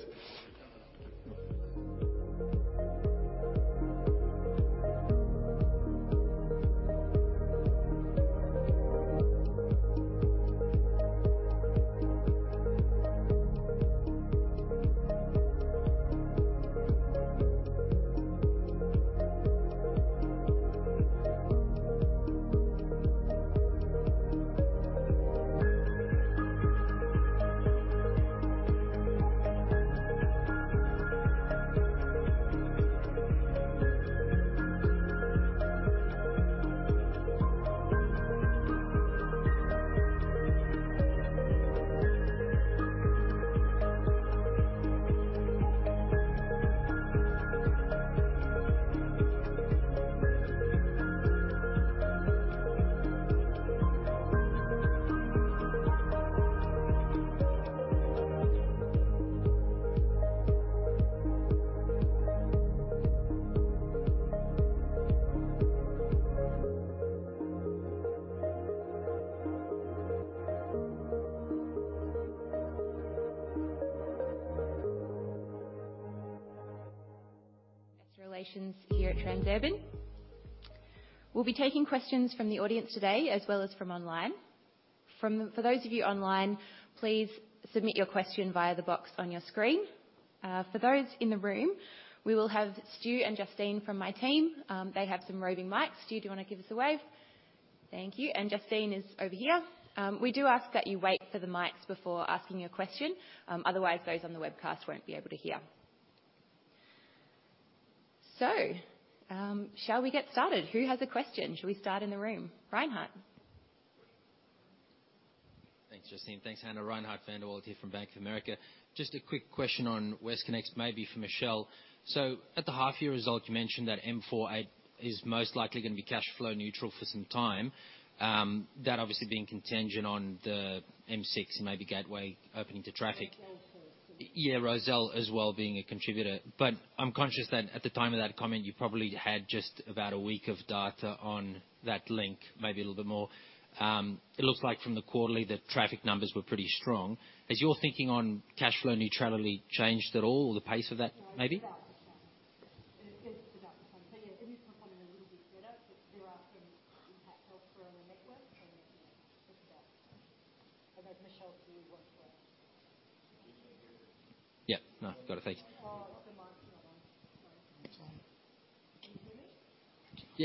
Investor relations here at Transurban. We'll be taking questions from the audience today as well as from online. For those of you online, please submit your question via the box on your screen. For those in the room, we will have Stu and Justine from my team. They have some roving mics. Stu, do you wanna give us a wave? Thank you. Justine is over here. We do ask that you wait for the mics before asking a question, otherwise those on the webcast won't be able to hear. Shall we get started? Who has a question? Shall we start in the room? Reinhardt? Thanks, Justine. Thanks, Hannah. Reinhardt van der Walt here from Bank of America. Just a quick question on WestConnex, maybe for Michelle. At the half year result, you mentioned that M4M is most likely gonna be cash flow neutral for some time, that obviously being contingent on the M6 and maybe Gateway opening to traffic. Rozelle too. Yeah, Rozelle as well being a contributor. I'm conscious that at the time of that comment, you probably had just about a week of data on that link, maybe a little bit more. It looks like from the quarterly, the traffic numbers were pretty strong. Has your thinking on cash flow neutrality changed at all or the pace of that maybe?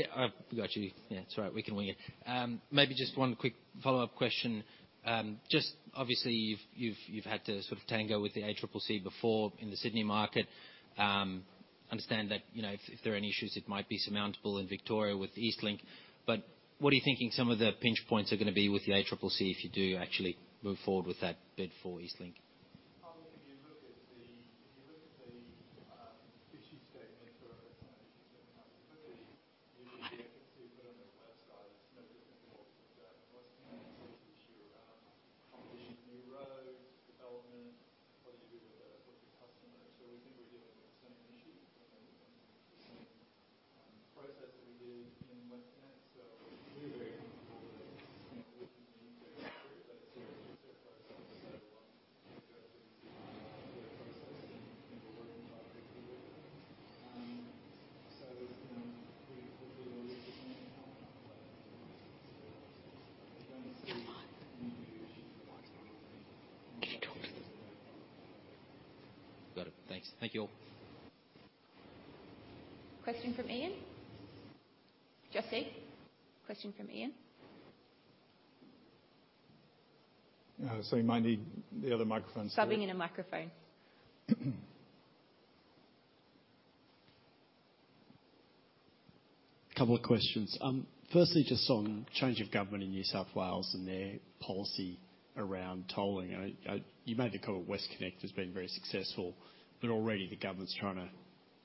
No, it's about the same. It is about the same. Yeah, it is performing a little bit better, but there are some impact costs around the network and, you know, it's about the same. I'll let Michelle give you more detail. Yeah, no. Got it. Thank you. It's the mic's not on. Sorry. Can you hear me? Yeah. I've got you. Yeah, it's all right. We can wing it. Maybe just one quick follow-up question. Just obviously you've had to sort of tango with the ACCC before in the Sydney market. Understand that, you know, if there are any issues it might be surmountable in Victoria with EastLink. What are you thinking some of the pinch points are gonna be with the ACCC if you do actually move forward with that bid for EastLink?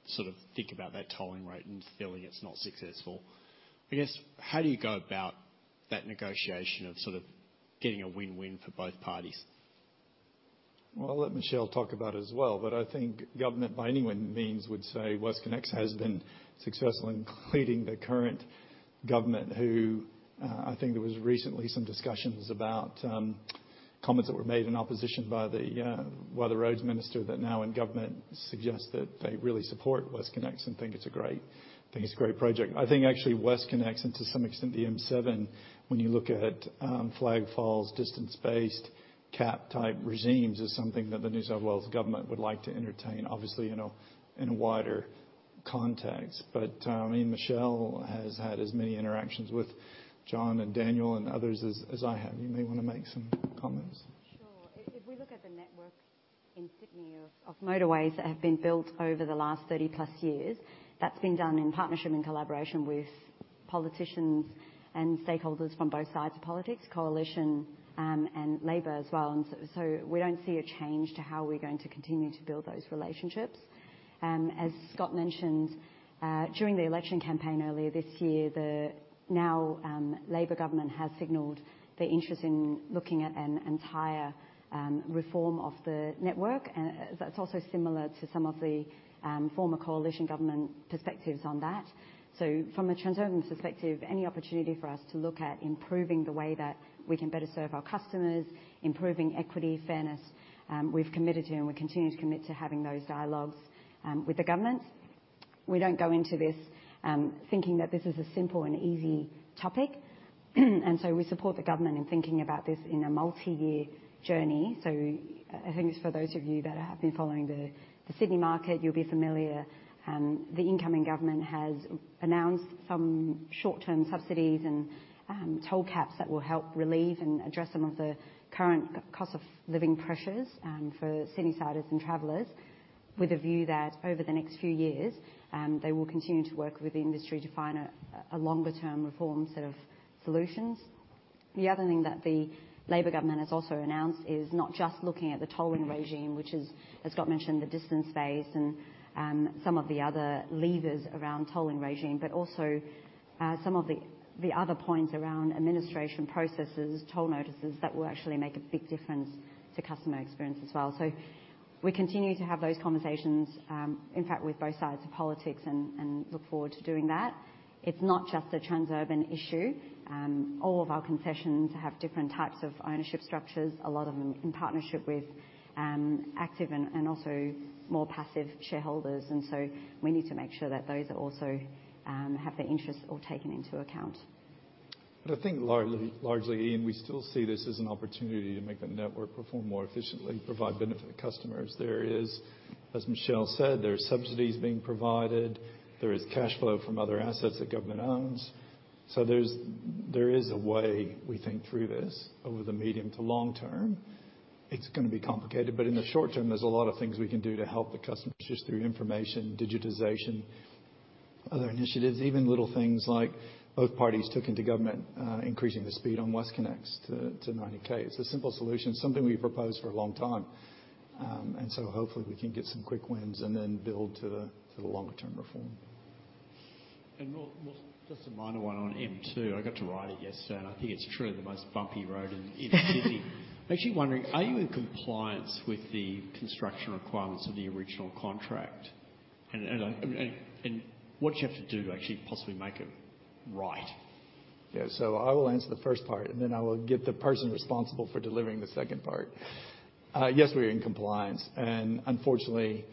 sort of think about that tolling rate and feeling it's not successful. I guess, how do you go about that negotiation of sort of getting a win-win for both parties? Well, I'll let Michelle talk about it as well, but I think government by any one means would say WestConnex has been successful, including the current government, who, I think there was recently some discussions about comments that were made in opposition by the Roads Minister that now in government suggests that they really support WestConnex and think it's a great project. I think actually WestConnex and to some extent the M7, when you look at flag falls, distance-based cap-type regimes is something that the New South Wales government would like to entertain, obviously, you know, in a wider context. I mean, Michelle has had as many interactions with John and Daniel and others as I have. You may wanna make some comments. Sure. If we look at the network in Sydney of motorways that have been built over the last 30 plus years, that's been done in partnership and collaboration with politicians and stakeholders from both sides of politics, Coalition and Labor as well. We don't see a change to how we're going to continue to build those relationships. As Scott mentioned, during the election campaign earlier this year, the now Labor government has signaled their interest in looking at an entire reform of the network. That's also similar to some of the former Coalition government perspectives on that. From a Transurban's perspective, any opportunity for us to look at improving the way that we can better serve our customers, improving equity, fairness, we've committed to and we continue to commit to having those dialogues with the governments. We don't go into this, thinking that this is a simple and easy topic. We support the government in thinking about this in a multi-year journey. I think it's for those of you that have been following the Sydney market, you'll be familiar. The incoming government has announced some short-term subsidies and toll caps that will help relieve and address some of the current cost of living pressures for city-siders and travelers, with a view that over the next few years, they will continue to work with the industry to find a longer term reform set of solutions. The other thing that the Labor government has also announced is not just looking at the tolling regime, which is, as Scott mentioned, the distance-based and some of the other levers around tolling regime, but also some of the other points around administration processes, toll notices that will actually make a big difference to customer experience as well. We continue to have those conversations, in fact with both sides of politics and look forward to doing that. It's not just a Transurban issue. All of our concessions have different types of ownership structures, a lot of them in partnership with active and also more passive shareholders. We need to make sure that those also have their interests all taken into account. I think largely, Ian, we still see this as an opportunity to make the network perform more efficiently, provide benefit to customers. There is, as Michelle said, there are subsidies being provided, there is cash flow from other assets that government owns. There's, there is a way we think through this over the medium to long term. It's gonna be complicated, but in the short term, there's a lot of things we can do to help the customers just through information, digitization, other initiatives, even little things like both parties took into government, increasing the speed on WestConnex to 90 K. It's a simple solution, something we've proposed for a long time. Hopefully we can get some quick wins and then build to the longer-term reform. More, just a minor one on M2. I got to ride it yesterday, and I think it's truly the most bumpy road in Sydney. Actually wondering, are you in compliance with the construction requirements of the original contract? What do you have to do to actually possibly make it right? I will answer the first part. I will get the person responsible for delivering the second part. Yes, we are in compliance. Unfortunately,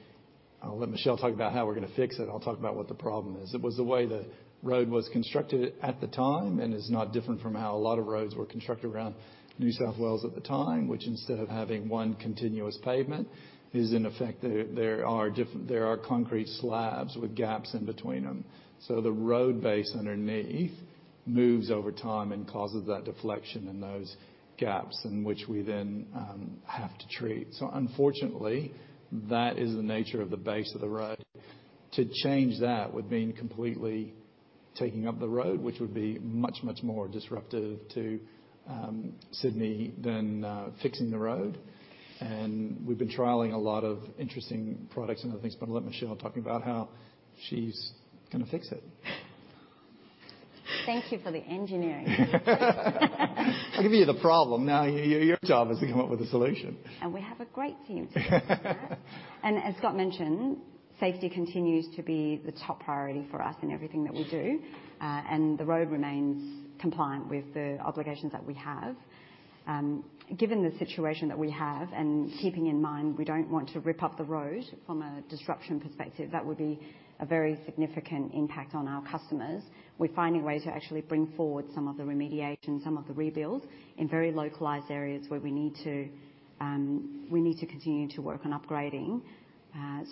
I'll let Michelle talk about how we're gonna fix it. I'll talk about what the problem is. It was the way the road was constructed at the time and is not different from how a lot of roads were constructed around New South Wales at the time, which instead of having one continuous pavement, is in effect, there are concrete slabs with gaps in between them. The road base underneath moves over time and causes that deflection and those gaps in which we then have to treat. Unfortunately, that is the nature of the base of the road. To change that would mean completely taking up the road, which would be much more disruptive to Sydney than fixing the road. We've been trialing a lot of interesting products and other things, but I'll let Michelle talk about how she's gonna fix it. Thank you for the engineering intro. I'll give you the problem. Your job is to come up with a solution. We have a great team to do just that. As Scott mentioned, safety continues to be the top priority for us in everything that we do. The road remains compliant with the obligations that we have. Given the situation that we have and keeping in mind we don't want to rip up the road from a disruption perspective, that would be a very significant impact on our customers. We're finding ways to actually bring forward some of the remediation, some of the rebuild in very localized areas where we need to, we need to continue to work on upgrading,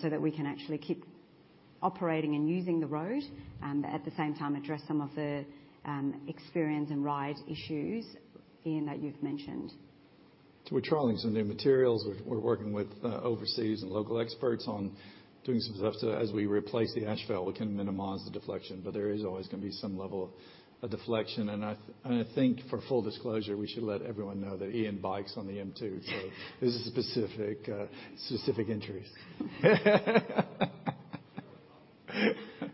so that we can actually keep operating and using the road, but at the same time address some of the experience and ride issues, Ian, that you've mentioned. We're trialing some new materials. We're working with overseas and local experts on doing some stuff so that as we replace the asphalt, we can minimize the deflection. There is always gonna be some level of deflection. I think for full disclosure, we should let everyone know that Ian bikes on the M2. This is specific interest. We have a question from Anthony here.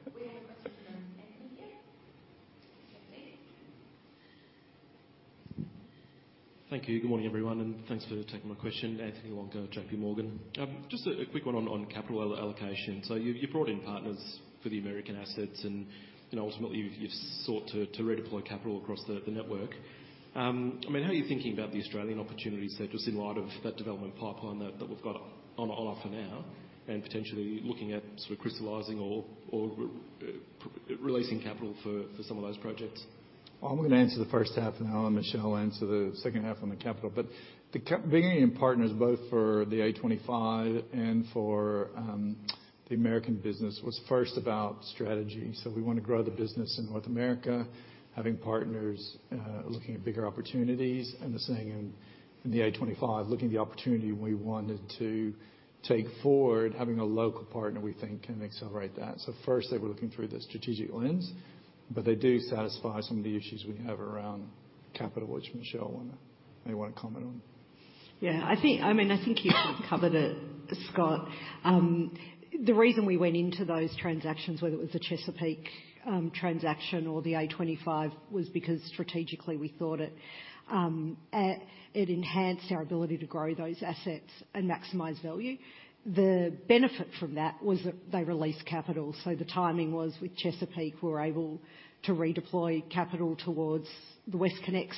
Thank you. Good morning, everyone, and thanks for taking my question. Anthony Walker, JP Morgan. Just a quick one on capital allocation. You brought in partners for the American assets and, you know, ultimately, you've sought to redeploy capital across the network. I mean, how are you thinking about the Australian opportunities set just in light of that development pipeline that we've got on offer now and potentially looking at sort of crystallizing or releasing capital for some of those projects? I'm gonna answer the first half, and then I'll let Michelle answer the second half on the capital. Bringing in partners both for the A25 and for the American business was first about strategy. We wanna grow the business in North America, having partners, looking at bigger opportunities and the same in the A25, looking at the opportunity we wanted to take forward, having a local partner we think can accelerate that. First they were looking through the strategic lens, but they do satisfy some of the issues we have around capital, which Michelle may wanna comment on. Yeah. I think, I mean, I think you've covered it, Scott. The reason we went into those transactions, whether it was the Chesapeake transaction or the A25, was because strategically we thought it enhanced our ability to grow those assets and maximize value. The benefit from that was that they released capital. The timing was with Chesapeake, we're able to redeploy capital towards the WestConnex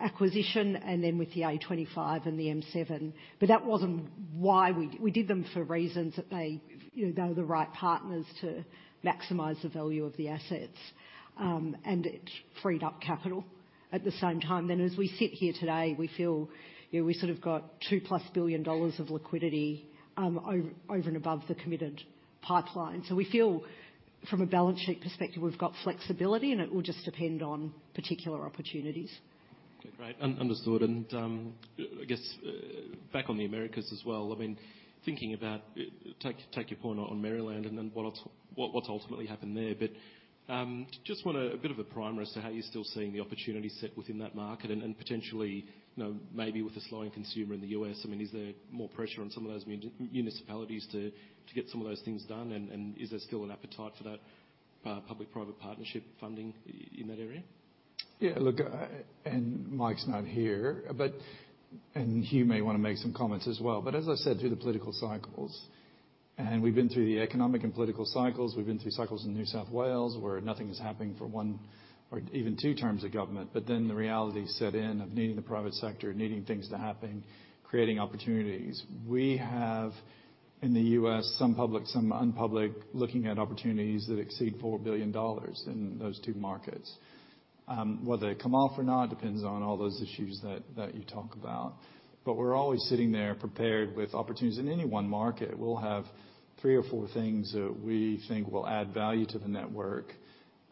acquisition and then with the A25 and the M7. That wasn't why we did them for reasons that they, you know, they were the right partners to maximize the value of the assets. And it freed up capital at the same time. As we sit here today, we feel, you know, we sort of got $2+ billion of liquidity over and above the committed pipeline. We feel from a balance sheet perspective, we've got flexibility and it will just depend on particular opportunities. Okay, great. Understood. I guess, back on the Americas as well, I mean, thinking about, take your point on Maryland and then what's ultimately happened there. Just wanna a bit of a primer as to how you're still seeing the opportunity set within that market and, potentially, you know, maybe with the slowing consumer in the US, I mean, is there more pressure on some of those municipalities to get some of those things done? Is there still an appetite for that public-private partnership funding in that area? Yeah. Look, Mike's not here, he may wanna make some comments as well. As I said, through the political cycles, we've been through the economic and political cycles, we've been through cycles in New South Wales where nothing is happening for one or even two terms of government. The reality set in of needing the private sector, needing things to happen, creating opportunities. We have in the U.S. some public, some un-public, looking at opportunities that exceed $4 billion in those two markets. Whether they come off or not depends on all those issues that you talk about. We're always sitting there prepared with opportunities. In any one market, we'll have three or four things that we think will add value to the network.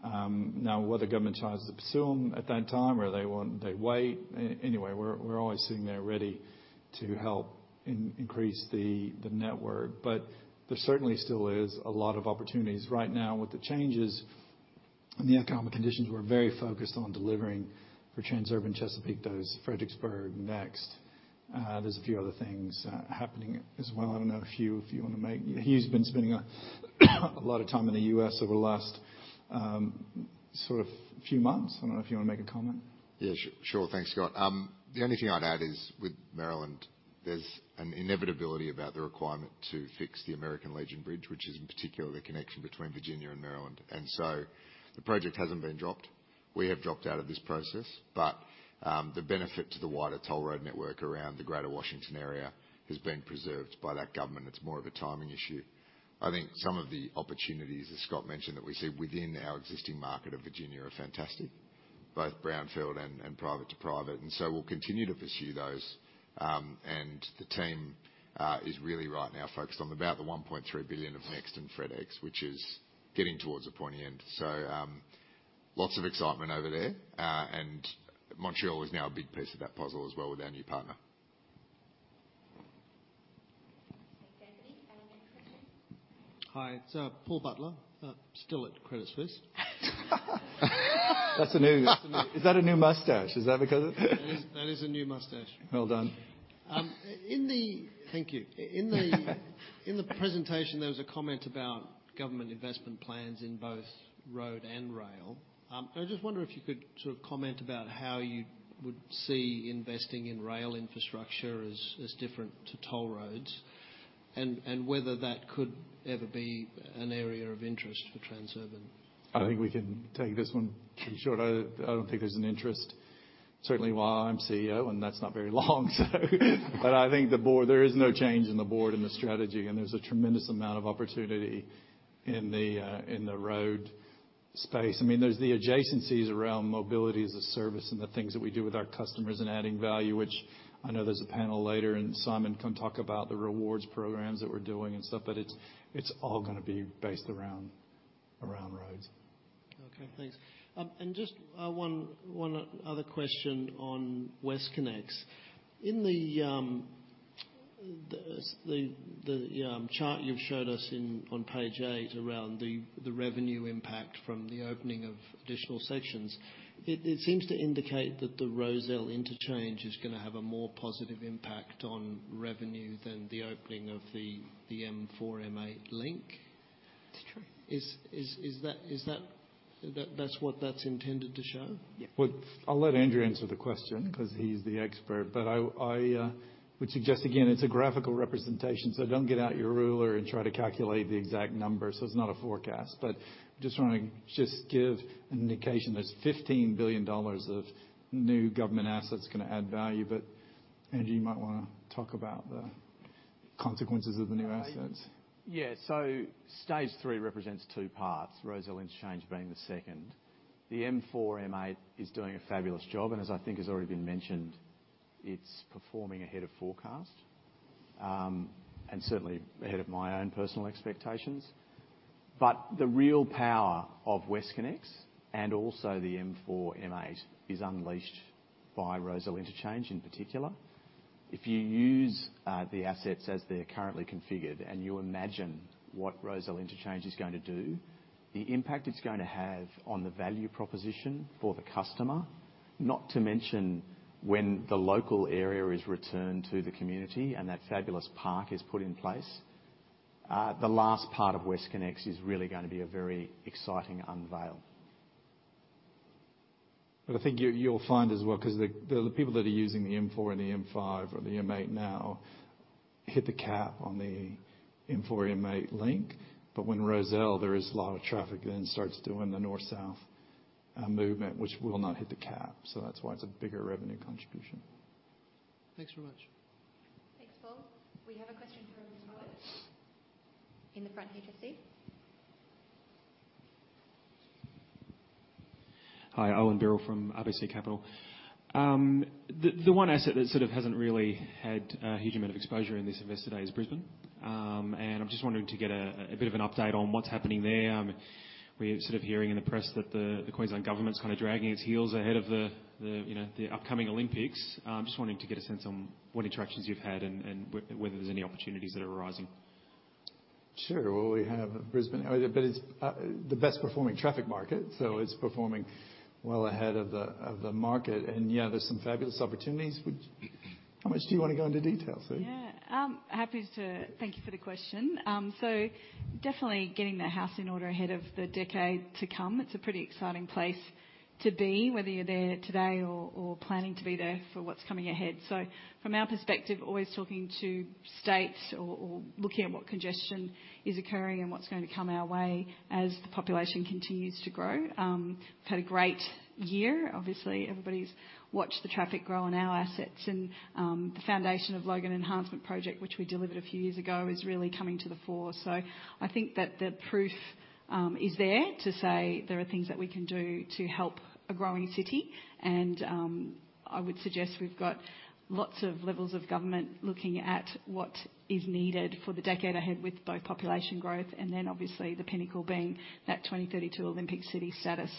Now whether government choices pursue them at that time or they want, they wait, anyway, we're always sitting there ready to help increase the network. There certainly still is a lot of opportunities right now with the changes and the economic conditions, we're very focused on delivering for Transurban Chesapeake, those Fredericksburg next. There's a few other things happening as well. He's been spending a lot of time in the U.S. over the last sort of few months. I don't know if you wanna make a comment. Yeah, sure. Thanks, Scott. The only thing I'd add is with Maryland, there's an inevitability about the requirement to fix the American Legion Bridge, which is in particular the connection between Virginia and Maryland. The project hasn't been dropped. We have dropped out of this process, the benefit to the wider toll road network around the Greater Washington area has been preserved by that government. It's more of a timing issue. I think some of the opportunities, as Scott mentioned, that we see within our existing market of Virginia are fantastic, both brownfield and private to private, we'll continue to pursue those. The team is really right now focused on about the $1.3 billion of NEXT in FredEx, which is getting towards the pointy end. Lots of excitement over there. Montreal is now a big piece of that puzzle as well with our new partner. Anthony, our next question. Hi, it's Paul Butler, still at Credit Suisse. That's a new, is that a new mustache? Is that because of- That is a new mustache. Well done. Thank you. In the presentation, there was a comment about government investment plans in both road and rail. I just wonder if you could sort of comment about how you would see investing in rail infrastructure as different to toll roads, and whether that could ever be an area of interest for Transurban. I think we can take this one pretty short. I don't think there's an interest, certainly while I'm CEO, and that's not very long, so. I think the board, there is no change in the board and the strategy, and there's a tremendous amount of opportunity in the road space. I mean, there's the adjacencies around mobility as a service and the things that we do with our customers and adding value, which I know there's a panel later, and Simon can talk about the rewards programs that we're doing and stuff, but it's all gonna be based around roads. Okay, thanks. Just 1 other question on WestConnex. In the chart you've showed us in, on page 8 around the revenue impact from the opening of additional sections, it seems to indicate that the Rozelle Interchange is gonna have a more positive impact on revenue than the opening of the M4-M8 link. That's true. Is that's what that's intended to show? Yeah. I'll let Andrew answer the question 'cause he's the expert. I would suggest, again, it's a graphical representation, so don't get out your ruler and try to calculate the exact number. It's not a forecast. Just wanna give an indication, there's 15 billion dollars of new government assets gonna add value. Andrew, you might wanna talk about the consequences of the new assets. Yeah. Stage 3 represents 2 parts, Rozelle Interchange being the second. The M4-M8 is doing a fabulous job, and as I think has already been mentioned, it's performing ahead of forecast. Certainly ahead of my own personal expectations. The real power of WestConnex and also the M4-M8 is unleashed by Rozelle Interchange in particular. If you use the assets as they're currently configured, and you imagine what Rozelle Interchange is going to do, the impact it's gonna have on the value proposition for the customer, not to mention when the local area is returned to the community and that fabulous park is put in place, the last part of WestConnex is really gonna be a very exciting unveil. I think you'll find as well, 'cause the people that are using the M4 and the M5 or the M8 now hit the cap on the M4-M8 Link. When Rozelle, there is a lot of traffic then starts doing the north-south movement, which will not hit the cap. That's why it's a bigger revenue contribution. Thanks very much. Thanks, Paul. We have a question from Simon in the front here, Jess. Hi, Owen Birrell from RBC Capital. The one asset that sort of hasn't really had a huge amount of exposure in this investor day is Brisbane. I'm just wondering to get a bit of an update on what's happening there. We're sort of hearing in the press that the Queensland government's kinda dragging its heels ahead of the, you know, the upcoming Olympics. Just wanting to get a sense on what interactions you've had and whether there's any opportunities that are arising. Sure. Well, we have Brisbane, but it's the best performing traffic market, so it's performing well ahead of the, of the market. Yeah, there's some fabulous opportunities, which how much do you wanna go into detail, Michelle? I'm happy to thank you for the question. Definitely getting the house in order ahead of the decade to come. It's a pretty exciting place to be, whether you're there today or planning to be there for what's coming ahead. From our perspective, always talking to states or looking at what congestion is occurring and what's going to come our way as the population continues to grow. We've had a great year. Obviously, everybody's watched the traffic grow on our assets. The foundation of Logan Enhancement Project, which we delivered a few years ago, is really coming to the fore. I think that the proof is there to say there are things that we can do to help a growing city. I would suggest we've got lots of levels of government looking at what is needed for the decade ahead with both population growth and then obviously the pinnacle being that 2032 Olympic City status.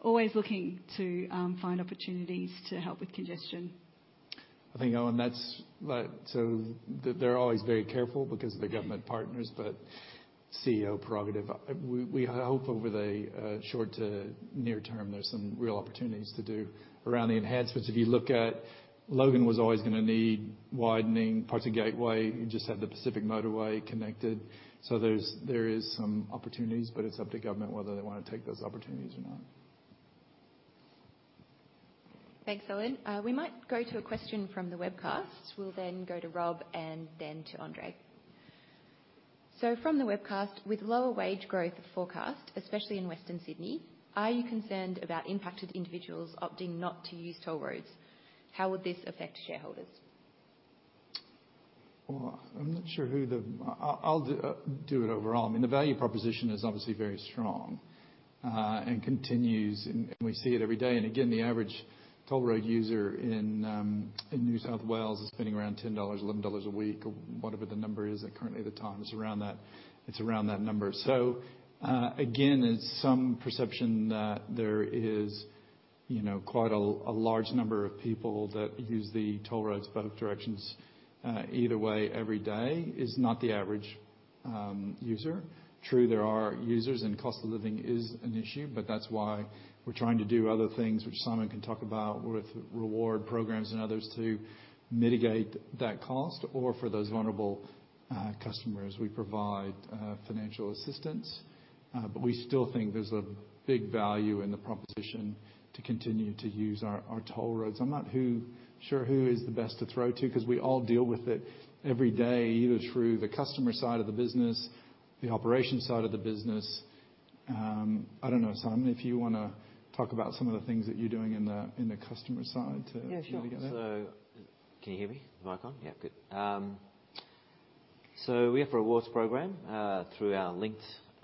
Always looking to find opportunities to help with congestion. I think, Owen, that's like they're always very careful because of the government partners, but CEO prerogative. We hope over the short to near term there's some real opportunities to do around the enhancements. If you look at Logan was always gonna need widening parts of Gateway. You just had the Pacific Motorway connected. There is some opportunities, but it's up to government whether they wanna take those opportunities or not. Thanks, Owen. We might go to a question from the webcast. We'll then go to Rob and then to Andre. From the webcast, with lower wage growth forecast, especially in Western Sydney, are you concerned about impacted individuals opting not to use toll roads? How would this affect shareholders? Well, I'm not sure I'll do it overall. I mean, the value proposition is obviously very strong and continues, and we see it every day. Again, the average toll road user in New South Wales is spending around 10 dollars, 11 dollars a week or whatever the number is at currently the time. It's around that number. Again, there's some perception that there is, you know, quite a large number of people that use the toll roads both directions, either way, every day is not the average user. True, there are users and cost of living is an issue, but that's why we're trying to do other things which Simon can talk about with reward programs and others to mitigate that cost or for those vulnerable customers we provide financial assistance. We still think there's a big value in the proposition to continue to use our toll roads. I'm not sure who is the best to throw to 'cause we all deal with it every day, either through the customer side of the business, the operations side of the business. I don't know, Simon, if you wanna talk about some of the things that you're doing in the customer side. Yeah, sure. Maybe get there. Can you hear me? Mic on? We have a rewards program through our Linkt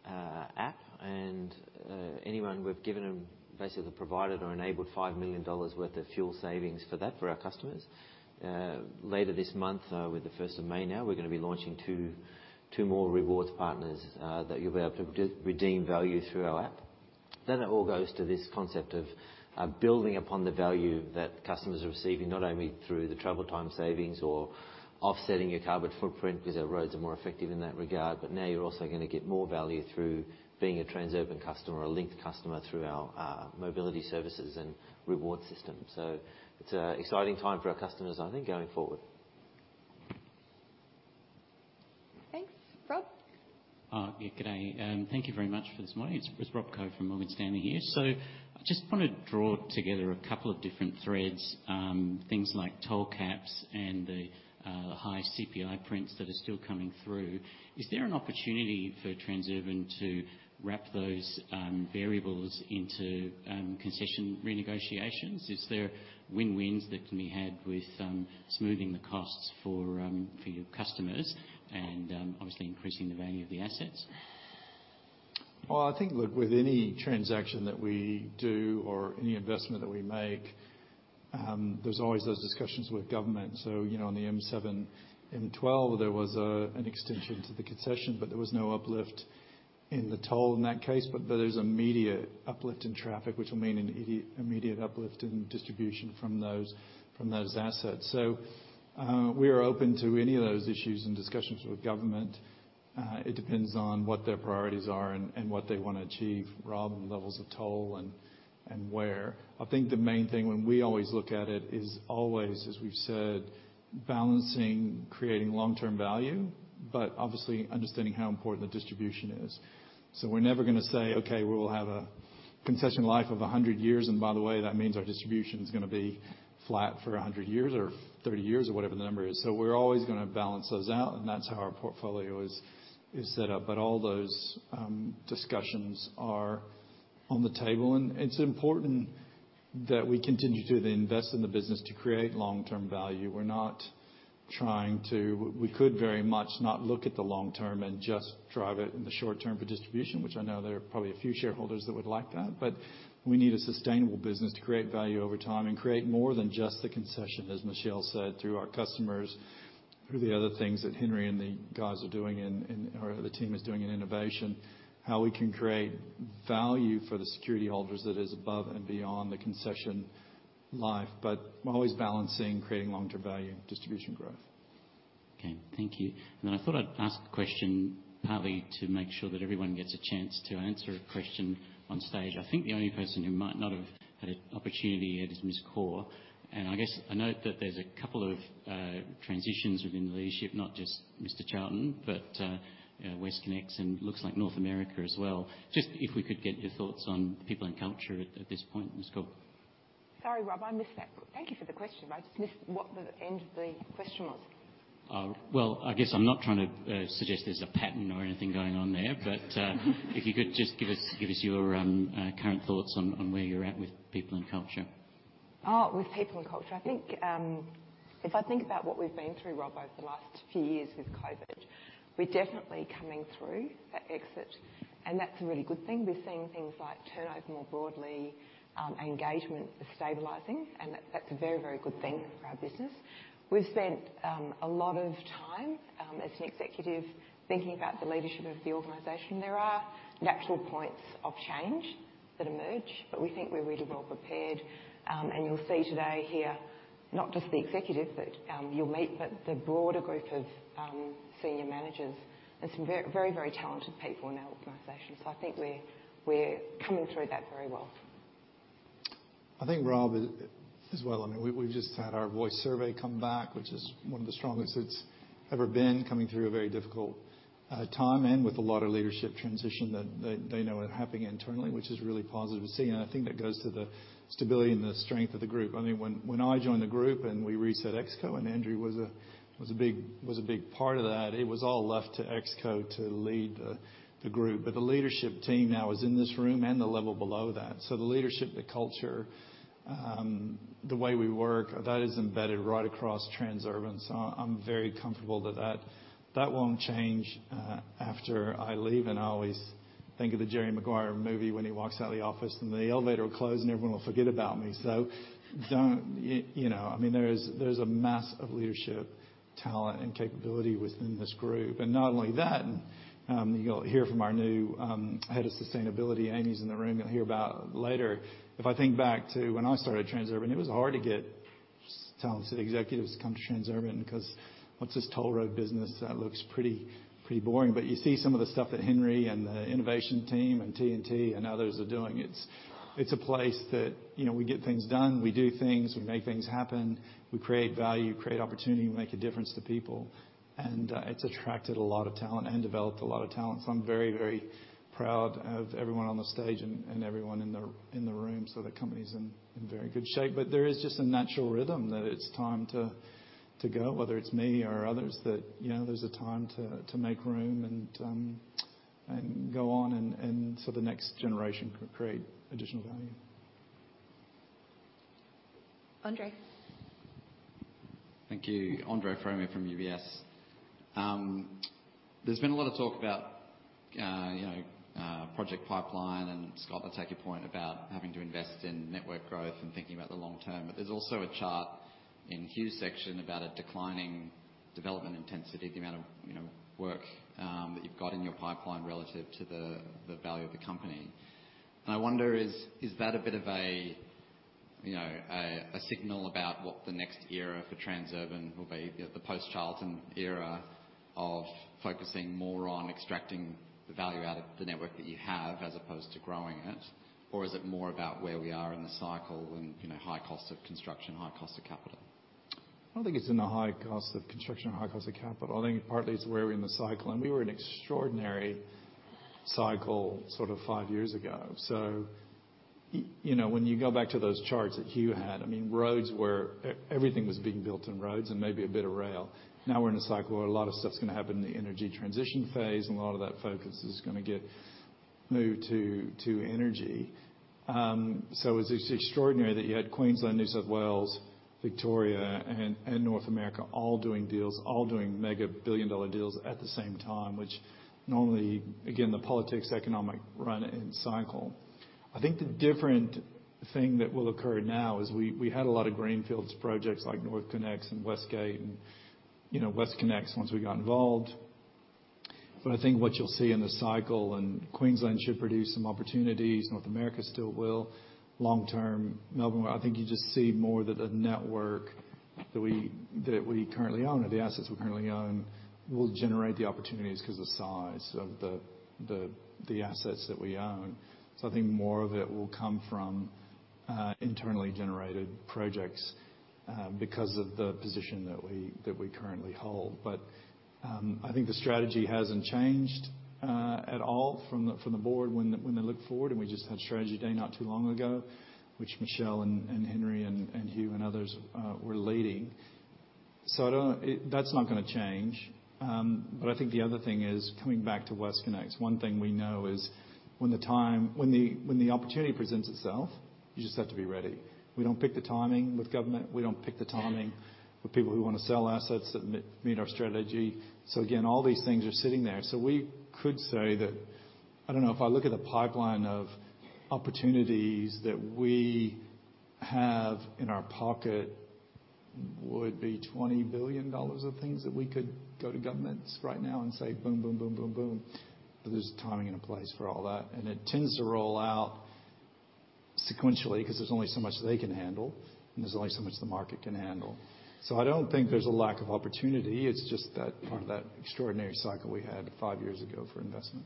app. Anyone we've given them basically provided or enabled 5 million dollars worth of fuel savings for that, for our customers. Later this month, with the 1st of May now, we're gonna be launching 2 more rewards partners that you'll be able to redeem value through our app. It all goes to this concept of building upon the value that customers are receiving, not only through the travel time savings or offsetting your carbon footprint 'cause our roads are more effective in that regard. Now you're also gonna get more value through being a Transurban customer or a Linkt customer through our mobility services and reward system. It's an exciting time for our customers, I think, going forward. Thanks. Rob? Good day. Thank you very much for this morning. It's Rob Koh from Morgan Stanley here. I just wanna draw together a couple of different threads, things like toll caps and the high CPI prints that are still coming through. Is there an opportunity for Transurban to wrap those variables into concession renegotiations? Is there win-wins that can be had with smoothing the costs for your customers and obviously increasing the value of the assets? I think, look, with any transaction that we do or any investment that we make, there's always those discussions with government. You know, on the M7, M12, there was an extension to the concession, there was no uplift in the toll in that case. There is immediate uplift in traffic, which will mean an immediate uplift in distribution from those, from those assets. We are open to any of those issues and discussions with government. It depends on what their priorities are and what they want to achieve rather than levels of toll and where. I think the main thing when we always look at it is always, as we've said, balancing creating long-term value, but obviously understanding how important the distribution is. We're never gonna say, "Okay, we'll have a concession life of 100 years, and by the way, that means our distribution is gonna be flat for 100 years or 30 years," or whatever the number is. We're always gonna balance those out, and that's how our portfolio is set up. All those discussions are on the table, and it's important that we continue to invest in the business to create long-term value. We're not trying to. We could very much not look at the long term and just drive it in the short term for distribution, which I know there are probably a few shareholders that would like that. We need a sustainable business to create value over time and create more than just the concession, as Michelle said, through our customers, through the other things that Henry and the guys are doing and, or the team is doing in innovation, how we can create value for the security holders that is above and beyond the concession life. We're always balancing creating long-term value and distribution growth. Okay. Thank you. I thought I'd ask a question partly to make sure that everyone gets a chance to answer a question on stage. I think the only person who might not have had an opportunity yet is Ms. Kaur. I note that there's a couple of transitions within the leadership, not just Mr. Charlton, but WestConnex and looks like North America as well. If we could get your thoughts on people and culture at this point, Ms. Kaur. Sorry, Rob, I missed that. Thank you for the question. I just missed what the end of the question was. Well, I guess I'm not trying to suggest there's a pattern or anything going on there. If you could just give us your current thoughts on where you're at with people and culture. With people and culture. I think if I think about what we've been through, Rob, over the last few years with COVID, we're definitely coming through that exit, and that's a really good thing. We're seeing things like turnover more broadly, engagement is stabilizing, and that's a very, very good thing for our business. We've spent a lot of time as an executive thinking about the leadership of the organization. There are natural points of change that emerge, we think we're really well prepared. You'll see today here, not just the executive that you'll meet, but the broader group of senior managers. There's some very, very talented people in our organization. I think we're coming through that very well. I think Rob as well, I mean, we've just had our voice survey come back, which is one of the strongest it's ever been coming through a very difficult time and with a lot of leadership transition that they know are happening internally, which is really positive to see. I think that goes to the stability and the strength of the group. I mean, when I joined the group and we reset ExCo, and Andrew was a big part of that. It was all left to ExCo to lead the group. The leadership team now is in this room and the level below that. The leadership, the culture, the way we work, that is embedded right across Transurban. I'm very comfortable that won't change after I leave. I always think of the Jerry Maguire movie when he walks out of the office and the elevator will close, and everyone will forget about me. Don't, you know, I mean, there is a mass of leadership, talent, and capability within this group. Not only that, you'll hear from our new Head of Sustainability, Amy's in the room. You'll hear about later. If I think back to when I started Transurban, it was hard to get talent, city executives to come to Transurban because what's this toll road business? That looks pretty boring. You see some of the stuff that Henry and the innovation team and T&T and others are doing. It's a place that, you know, we get things done, we do things, we make things happen, we create value, create opportunity, make a difference to people. It's attracted a lot of talent and developed a lot of talent. I'm very, very proud of everyone on the stage and everyone in the room. The company's in very good shape. There is just a natural rhythm that it's time to go, whether it's me or others, that, you know, there's a time to make room and go on and so the next generation could create additional value. Andre. Thank you. Andre Fromyhr from UBS. There's been a lot of talk about project pipeline, Scott, I take your point about having to invest in network growth and thinking about the long term. There's also a chart in Hugh's section about a declining development intensity, the amount of work that you've got in your pipeline relative to the value of the company. I wonder, is that a bit of a signal about what the next era for Transurban will be, the post-Charlton era of focusing more on extracting the value out of the network that you have as opposed to growing it, or is it more about where we are in the cycle and high cost of construction, high cost of capital? I don't think it's in the high cost of construction or high cost of capital. I think partly it's where we're in the cycle. We were in extraordinary cycle sort of 5 years ago. You know, when you go back to those charts that Hugh had, I mean, roads were... everything was being built in roads and maybe a bit of rail. Now we're in a cycle where a lot of stuff's gonna happen in the energy transition phase, and a lot of that focus is gonna get moved to energy. It's extraordinary that you had Queensland, New South Wales, Victoria, and North America all doing deals, all doing mega billion-dollar deals at the same time, which normally, again, the politics, economic run and cycle. I think the different thing that will occur now is we had a lot of greenfields projects like NorthConnex and West Gate and, you know, WestConnex once we got involved. I think what you'll see in the cycle, and Queensland should produce some opportunities. North America still will. Long-term, Melbourne, I think you just see more that the network that we currently own or the assets we currently own will generate the opportunities 'cause the size of the assets that we own. I think more of it will come from internally generated projects because of the position that we currently hold. I think the strategy hasn't changed at all from the, from the board when they, when they look forward, and we just had strategy day not too long ago, which Michelle and Henry and Hugh and others were leading. I don't... that's not gonna change. I think the other thing is coming back to WestConnex, one thing we know is when the time, when the, when the opportunity presents itself, you just have to be ready. We don't pick the timing with government. We don't pick the timing with people who wanna sell assets that meet our strategy. Again, all these things are sitting there. We could say that, I don't know, if I look at the pipeline of opportunities that we have in our pocket would be 20 billion dollars of things that we could go to governments right now and say, boom, boom, boom. There's a timing and a place for all that, and it tends to roll out sequentially 'cause there's only so much they can handle, and there's only so much the market can handle. I don't think there's a lack of opportunity. It's just that extraordinary cycle we had five years ago for investment.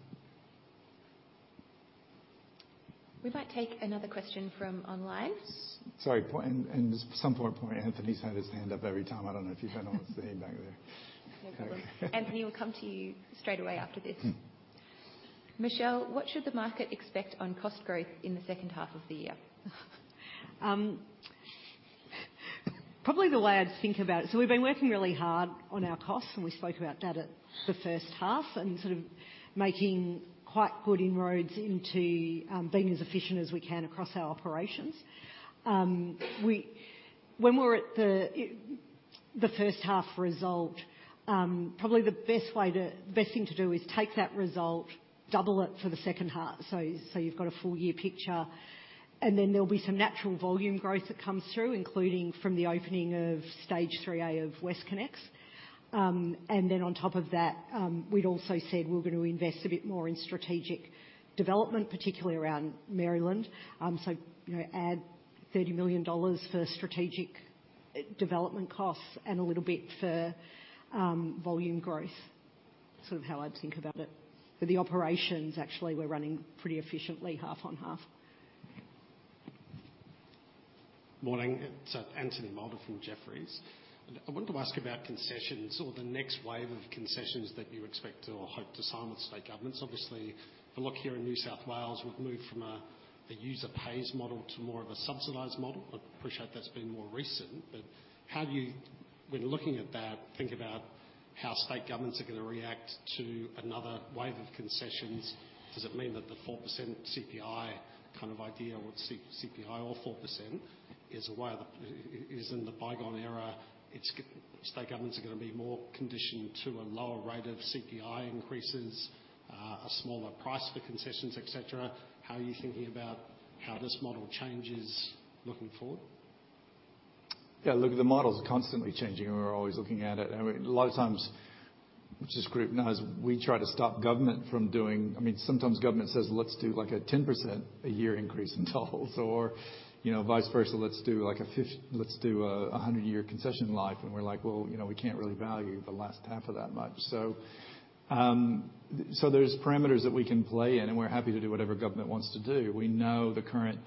We might take another question from online. Sorry. Just some point, Anthony's had his hand up every time. I don't know if you don't want to see him back there. No problem. Anthony, we'll come to you straight away after this. Hmm. Michelle, what should the market expect on cost growth in the second half of the year? Probably the way I'd think about it. We've been working really hard on our costs, and we spoke about that at the first half and sort of making quite good inroads into being as efficient as we can across our operations. When we're at the first half result, probably the best thing to do is take that result, double it for the second half, so you've got a full year picture, then there'll be some natural volume growth that comes through, including from the opening of Stage 3A of WestConnex. Then on top of that, we'd also said we're gonna invest a bit more in strategic development, particularly around Maryland. You know, add 30 million dollars for strategic development costs and a little bit for volume growth. Sort of how I'd think about it. The operations, actually, we're running pretty efficiently half on half. Morning. It's Anthony Moulder from Jefferies. I wanted to ask about concessions or the next wave of concessions that you expect or hope to sign with state governments. If you look here in New South Wales, we've moved from a user pays model to more of a subsidized model. I appreciate that's been more recent, how do you, when looking at that, think about how state governments are gonna react to another wave of concessions? Does it mean that the 4% CPI kind of idea with C-CPI or 4% is in the bygone era? State governments are gonna be more conditioned to a lower rate of CPI increases, a smaller price for concessions, et cetera. How are you thinking about how this model changes looking forward? Yeah, look, the model's constantly changing, and we're always looking at it. I mean, a lot of times, which this group knows, we try to stop government from doing. I mean, sometimes government says, "Let's do, like, a 10% a year increase in tolls," or, you know, vice versa, "Let's do like a 100-year concession life." And we're like, "Well, you know, we can't really value the last half of that much." So, there's parameters that we can play in, and we're happy to do whatever government wants to do. We know the current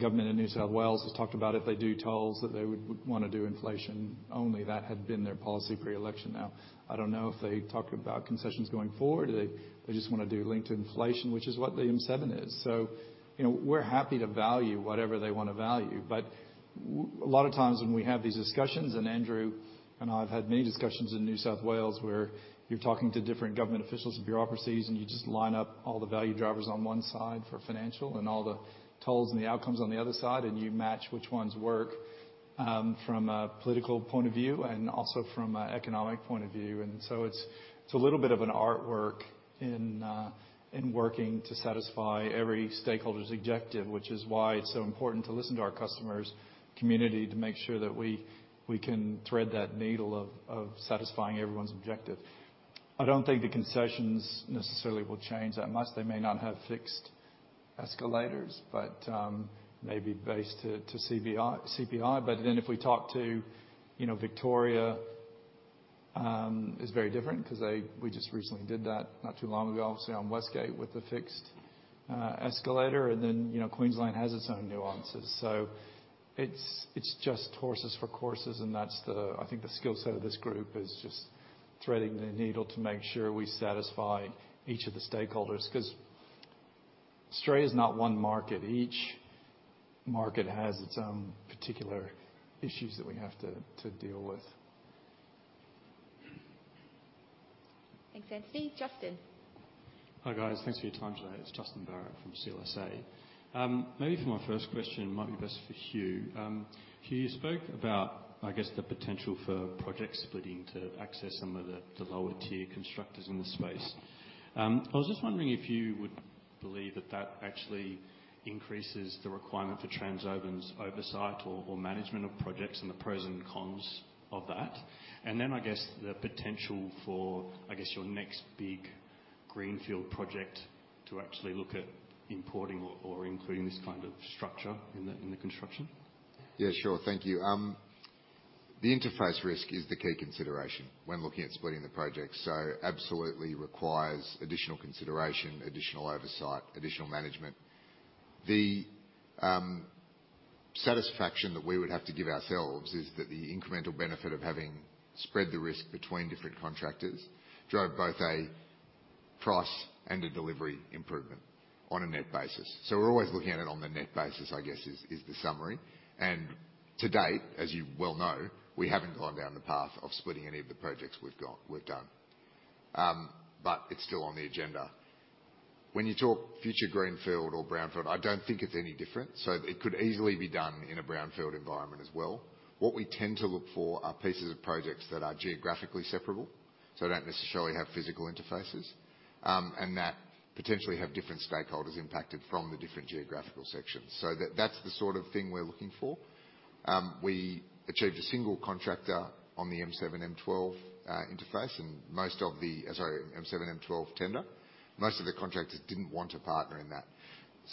government in New South Wales has talked about if they do tolls, that they would wanna do inflation only. That had been their policy pre-election. I don't know if they talk about concessions going forward, or they just want to do linked to inflation, which is what the M7 is. You know, we're happy to value whatever they want to value. A lot of times when we have these discussions, and Andrew and I have had many discussions in New South Wales, where you're talking to different government officials and bureaucracies, and you just line up all the value drivers on one side for financial and all the tolls and the outcomes on the other side, and you match which ones work from a political point of view and also from an economic point of view. It's a little bit of an artwork in working to satisfy every stakeholder's objective, which is why it's so important to listen to our customers, community, to make sure that we can thread that needle of satisfying everyone's objective. I don't think the concessions necessarily will change that much. They may not have fixed escalators, maybe based to CBI, CPI. If we talk to, you know, Victoria, is very different because we just recently did that not too long ago, obviously on West Gate with the fixed escalator. Queensland has its own nuances. It's just horses for courses, and that's, I think, the skill set of this group is just threading the needle to make sure we satisfy each of the stakeholders because Australia is not one market. Each market has its own particular issues that we have to deal with. Thanks, Anthony. Justin. Hi, guys. Thanks for your time today. It's Justin Barratt from CLSA. Maybe for my first question, might be best for Hugh. Hugh, you spoke about, I guess, the potential for project splitting to access some of the lower tier constructors in the space. I was just wondering if you would believe that that actually increases the requirement for Transurban's oversight or management of projects and the pros and cons of that. Then I guess the potential for, I guess, your next big greenfield project to actually look at importing or including this kind of structure in the, in the construction. Yeah, sure. Thank you. The interface risk is the key consideration when looking at splitting the project. Absolutely requires additional consideration, additional oversight, additional management. The satisfaction that we would have to give ourselves is that the incremental benefit of having spread the risk between different contractors drove both a price and a delivery improvement on a net basis. We're always looking at it on the net basis, I guess is the summary. To date, as you well know, we haven't gone down the path of splitting any of the projects we've done. It's still on the agenda. When you talk future greenfield or brownfield, I don't think it's any different. It could easily be done in a brownfield environment as well. What we tend to look for are pieces of projects that are geographically separable, don't necessarily have physical interfaces, and that potentially have different stakeholders impacted from the different geographical sections. That's the sort of thing we're looking for. We achieved a single contractor on the M7, M12 interface, Sorry, M7, M12 tender. Most of the contractors didn't want to partner in that.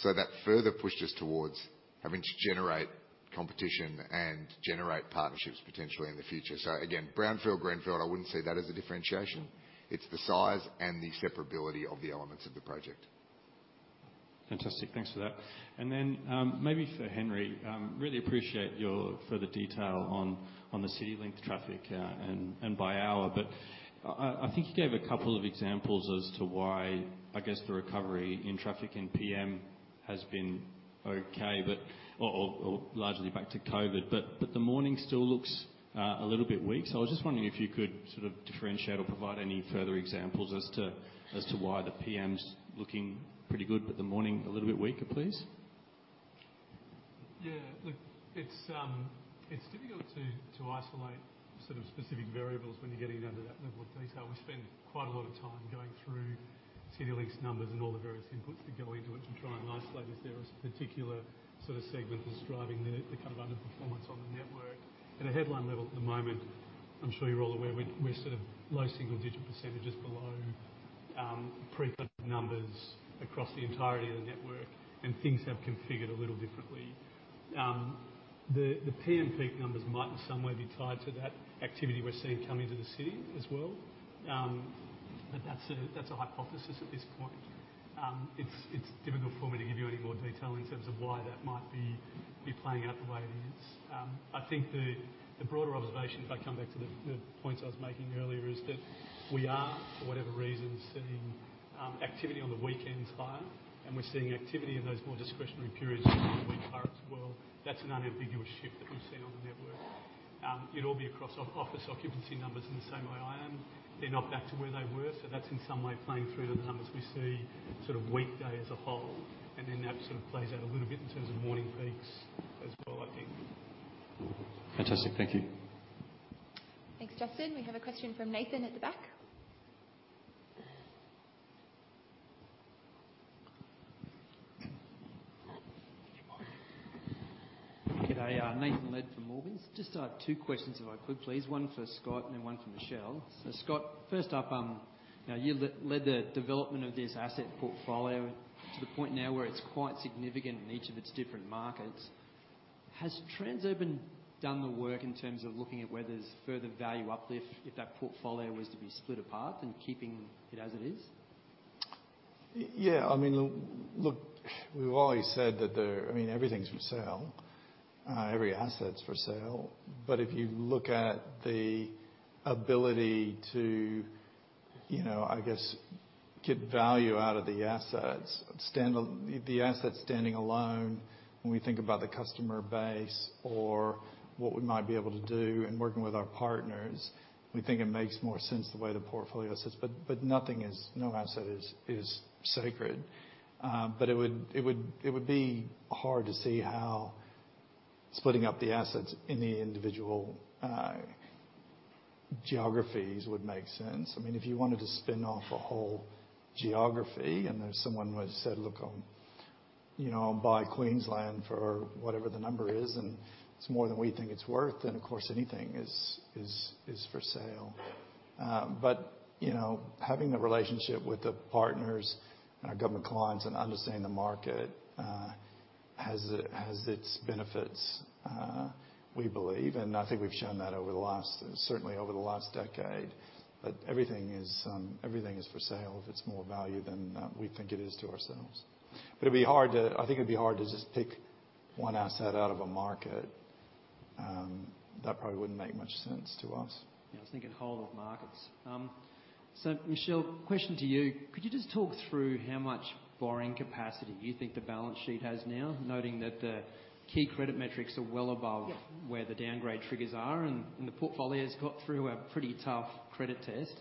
That further pushed us towards having to generate competition and generate partnerships potentially in the future. Again, brownfield, greenfield, I wouldn't see that as a differentiation. It's the size and the separability of the elements of the project. Fantastic. Thanks for that. Maybe for Henry, really appreciate your further detail on the CityLink traffic, and by hour. I think you gave a couple of examples as to why, I guess, the recovery in traffic and PM Has been okay, but or largely back to COVID. The morning still looks a little bit weak. I was just wondering if you could sort of differentiate or provide any further examples as to why the PM's looking pretty good but the morning a little bit weaker, please. Look, it's difficult to isolate sort of specific variables when you're getting down to that level of detail. We spend quite a lot of time going through CityLink's numbers and all the various inputs that go into it to try and isolate if there is a particular sort of segment that's driving the kind of underperformance on the network. At a headline level at the moment, I'm sure you're all aware we're sort of low single digit % below pre-COVID numbers across the entirety of the network. Things have configured a little differently. The PM peak numbers might in some way be tied to that activity we're seeing coming to the city as well. That's a hypothesis at this point. It's difficult for me to give you any more detail in terms of why that might be playing out the way it is. I think the broader observation, if I come back to the points I was making earlier, is that we are, for whatever reason, seeing activity on the weekends higher, and we're seeing activity in those more discretionary periods during the week higher as well. That's an unambiguous shift that we've seen on the network. You'd all be across office occupancy numbers in the same way I am. They're not back to where they were, so that's in some way playing through to the numbers we see sort of weekday as a whole, and then that sort of plays out a little bit in terms of morning peaks as well, I think. Fantastic. Thank you. Thanks, Justin. We have a question from Nathan at the back. G'day. Nathan Lead from Morgans. Just two questions if I could please. One for Scott and one for Michelle. Scott, first up, now you led the development of this asset portfolio to the point now where it's quite significant in each of its different markets. Has Transurban done the work in terms of looking at where there's further value uplift if that portfolio was to be split apart than keeping it as it is? Yeah. I mean, look, we've always said that the I mean, everything's for sale. Every asset's for sale. If you look at the ability to, you know, I guess, get value out of the assets, the assets standing alone when we think about the customer base or what we might be able to do in working with our partners, we think it makes more sense the way the portfolio sits. Nothing is, no asset is sacred. It would be hard to see how splitting up the assets in the individual geographies would make sense. I mean, if you wanted to spin off a whole geography and there's someone who has said, "Look, I'll, you know, I'll buy Queensland for whatever the number is," and it's more than we think it's worth, then of course anything is for sale. You know, having the relationship with the partners and our government clients and understanding the market, has its benefits, we believe, and I think we've shown that over the last, certainly over the last decade. Everything is, everything is for sale if it's more value than we think it is to ourselves. I think it'd be hard to just pick one asset out of a market. That probably wouldn't make much sense to us. Yeah, I was thinking whole of markets. Michelle, question to you. Could you just talk through how much borrowing capacity you think the balance sheet has now? Noting that the key credit metrics are well above-. Yeah. where the downgrade triggers are and the portfolio's got through a pretty tough credit test.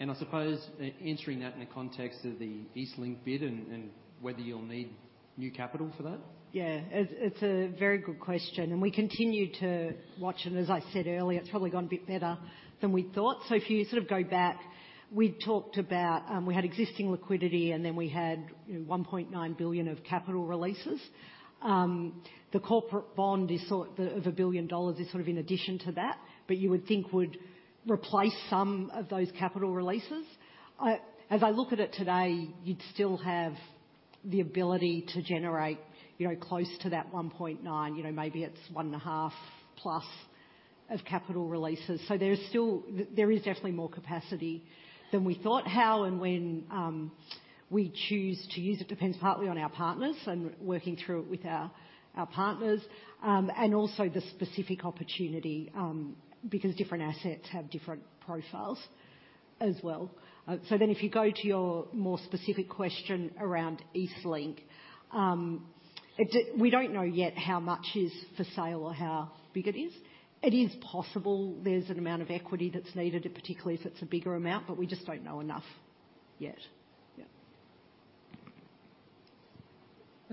I suppose answering that in the context of the EastLink bid and whether you'll need new capital for that. It's, it's a very good question, and we continue to watch it. As I said earlier, it's probably gone a bit better than we thought. If you sort of go back, we talked about, we had existing liquidity, and then we had, you know, 1.9 billion of capital releases. The corporate bond is sort of 1 billion dollars is sort of in addition to that, you would think would replace some of those capital releases. As I look at it today, you'd still have the ability to generate, you know, close to that 1.9. You know, maybe it's 1.5+ of capital releases. There is still there is definitely more capacity than we thought. How and when we choose to use it depends partly on our partners and working through it with our partners, and also the specific opportunity, because different assets have different profiles as well. If you go to your more specific question around EastLink, we don't know yet how much is for sale or how big it is. It is possible there's an amount of equity that's needed, particularly if it's a bigger amount, but we just don't know enough yet.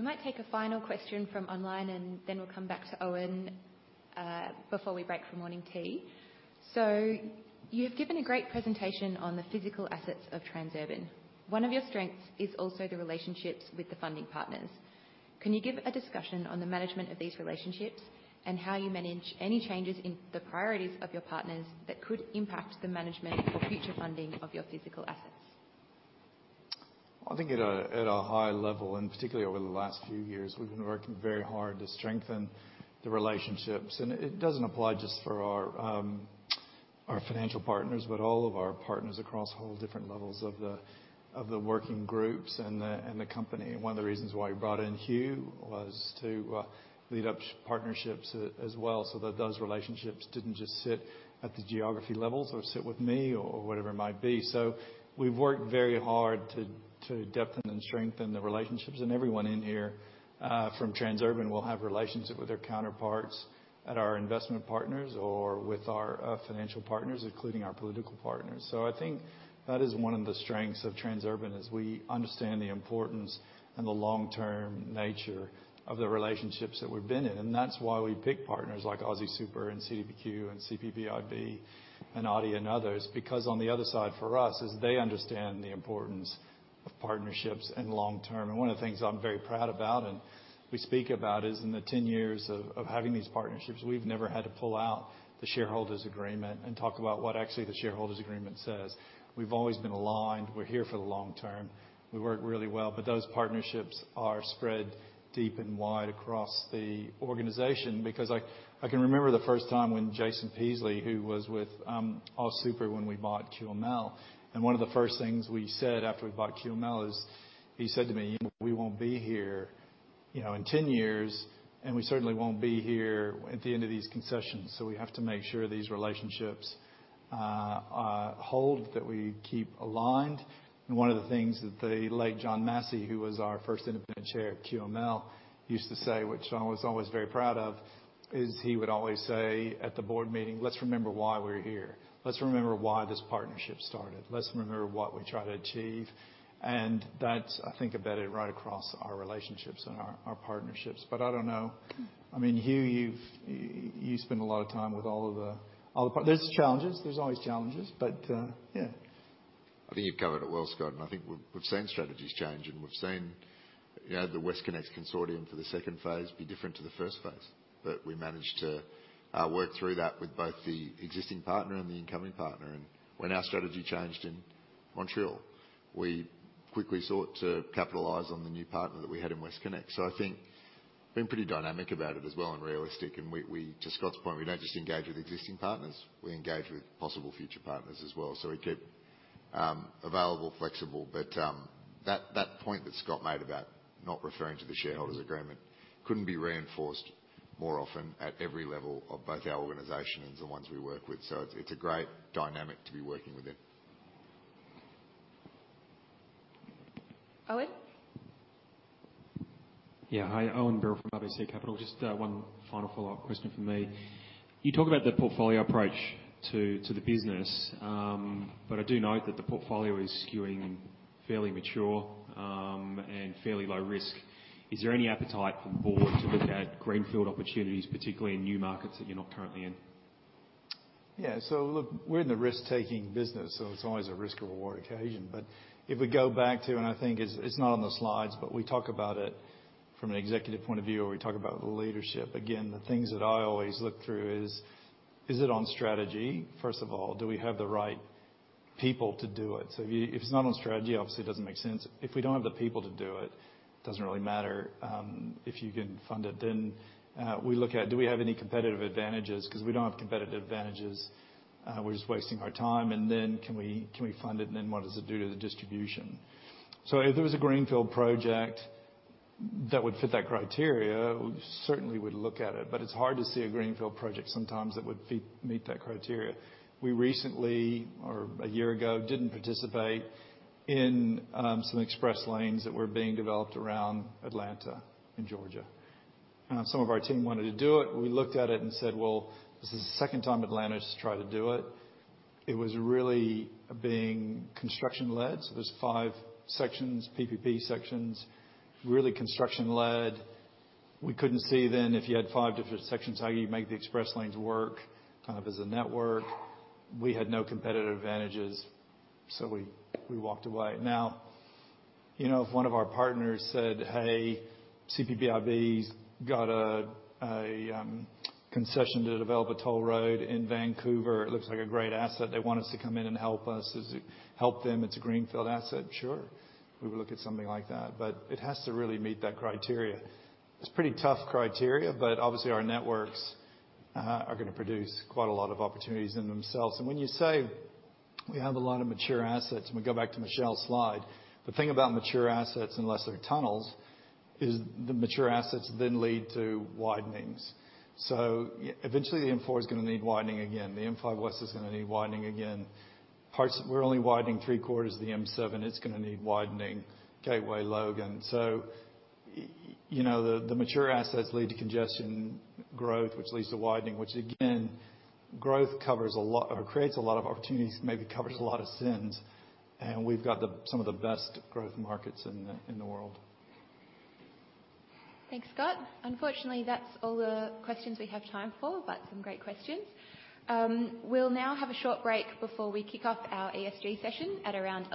Yeah. We might take a final question from online, and then we'll come back to Owen, before we break for morning tea. You've given a great presentation on the physical assets of Transurban. One of your strengths is also the relationships with the funding partners. Can you give a discussion on the management of these relationships and how you manage any changes in the priorities of your partners that could impact the management or future funding of your physical assets? I think at a high level, and particularly over the last few years, we've been working very hard to strengthen the relationships. It doesn't apply just for Our financial partners, but all of our partners across all different levels of the working groups and the company. One of the reasons why we brought in Hugh was to lead up partnerships as well, so that those relationships didn't just sit at the geography levels or sit with me or whatever it might be. We've worked very hard to deepen and strengthen the relationships and everyone in here from Transurban will have relationship with their counterparts at our investment partners or with our financial partners, including our political partners. I think that is one of the strengths of Transurban is we understand the importance and the long-term nature of the relationships that we've been in, and that's why we pick partners like AustralianSuper and CDPQ and CPPIB and ADIA and others, because on the other side for us is they understand the importance of partnerships and long-term. One of the things I'm very proud about and we speak about is in the 10 years of having these partnerships, we've never had to pull out the shareholders' agreement and talk about what actually the shareholders' agreement says. We've always been aligned. We're here for the long term. We work really well. Those partnerships are spread deep and wide across the organization. I can remember the first time when Jason Peasley, who was with AustralianSuper when we bought QML. One of the first things we said after we bought QML is he said to me, "We won't be here, you know, in 10 years, and we certainly won't be here at the end of these concessions. We have to make sure these relationships hold, that we keep aligned." One of the things that the late John Massey, who was our first independent chair at QML, used to say, which I was always very proud of, is he would always say at the board meeting, "Let's remember why we're here. Let's remember why this partnership started. Let's remember what we try to achieve." That's, I think, embedded right across our relationships and our partnerships. I don't know. I mean, Hugh, you spend a lot of time with all the there's challenges, there's always challenges, but, yeah. I think you've covered it well, Scott, and I think we've seen strategies change and we've seen, you know, the WestConnex consortium for the second phase be different to the first phase. We managed to work through that with both the existing partner and the incoming partner. When our strategy changed in Montreal, we quickly sought to capitalize on the new partner that we had in WestConnex. I think being pretty dynamic about it as well and realistic. We to Scott's point, we don't just engage with existing partners, we engage with possible future partners as well. We keep available, flexible. That point that Scott made about not referring to the shareholders' agreement couldn't be reinforced more often at every level of both our organization and the ones we work with. It's a great dynamic to be working within. Owen? Yeah. Hi, Owen Birrell from RBC Capital. Just one final follow-up question from me. You talk about the portfolio approach to the business, but I do note that the portfolio is skewing fairly mature and fairly low risk. Is there any appetite from board to look at greenfield opportunities, particularly in new markets that you're not currently in? Look, we're in the risk-taking business, so it's always a risk-reward occasion. If we go back to, and I think it's not on the slides, but we talk about it from an executive point of view or we talk about the leadership. Again, the things that I always look through is it on strategy? First of all, do we have the right people to do it? If it's not on strategy, obviously it doesn't make sense. If we don't have the people to do it, doesn't really matter if you can fund it. We look at do we have any competitive advantages? Because if we don't have competitive advantages, we're just wasting our time. Can we fund it? What does it do to the distribution? If there was a greenfield project that would fit that criteria, we certainly would look at it. It's hard to see a greenfield project sometimes that would meet that criteria. We recently, or 1 year ago, didn't participate in some express lanes that were being developed around Atlanta in Georgia. Some of our team wanted to do it. We looked at it and said, "Well, this is the second time Atlanta's tried to do it." It was really being construction-led. There's 5 sections, PPP sections, really construction-led. We couldn't see then if you had 5 different sections, how you make the express lanes work kind of as a network. We had no competitive advantages, so we walked away. Now, you know, if one of our partners said, "Hey, CPPIB's got a concession to develop a toll road in Vancouver, it looks like a great asset. They want us to come in and help them. It's a greenfield asset." Sure, we would look at something like that, but it has to really meet that criteria. It's pretty tough criteria, but obviously our networks are gonna produce quite a lot of opportunities in themselves. When you say we have a lot of mature assets, and we go back to Michelle's slide, the thing about mature assets, unless they're tunnels, is the mature assets then lead to widenings. Eventually the M4 is gonna need widening again. The M5 West is gonna need widening again. Parts, we're only widening 3/4 of the M7. It's gonna need widening, Gateway Logan. You know, the mature assets lead to congestion growth, which leads to widening, which again, growth covers a lot or creates a lot of opportunities, maybe covers a lot of sins. We've got the, some of the best growth markets in the, in the world. Thanks, Scott. Unfortunately, that's all the questions we have time for, but some great questions. We'll now have a short break before we kick off our ESG session at around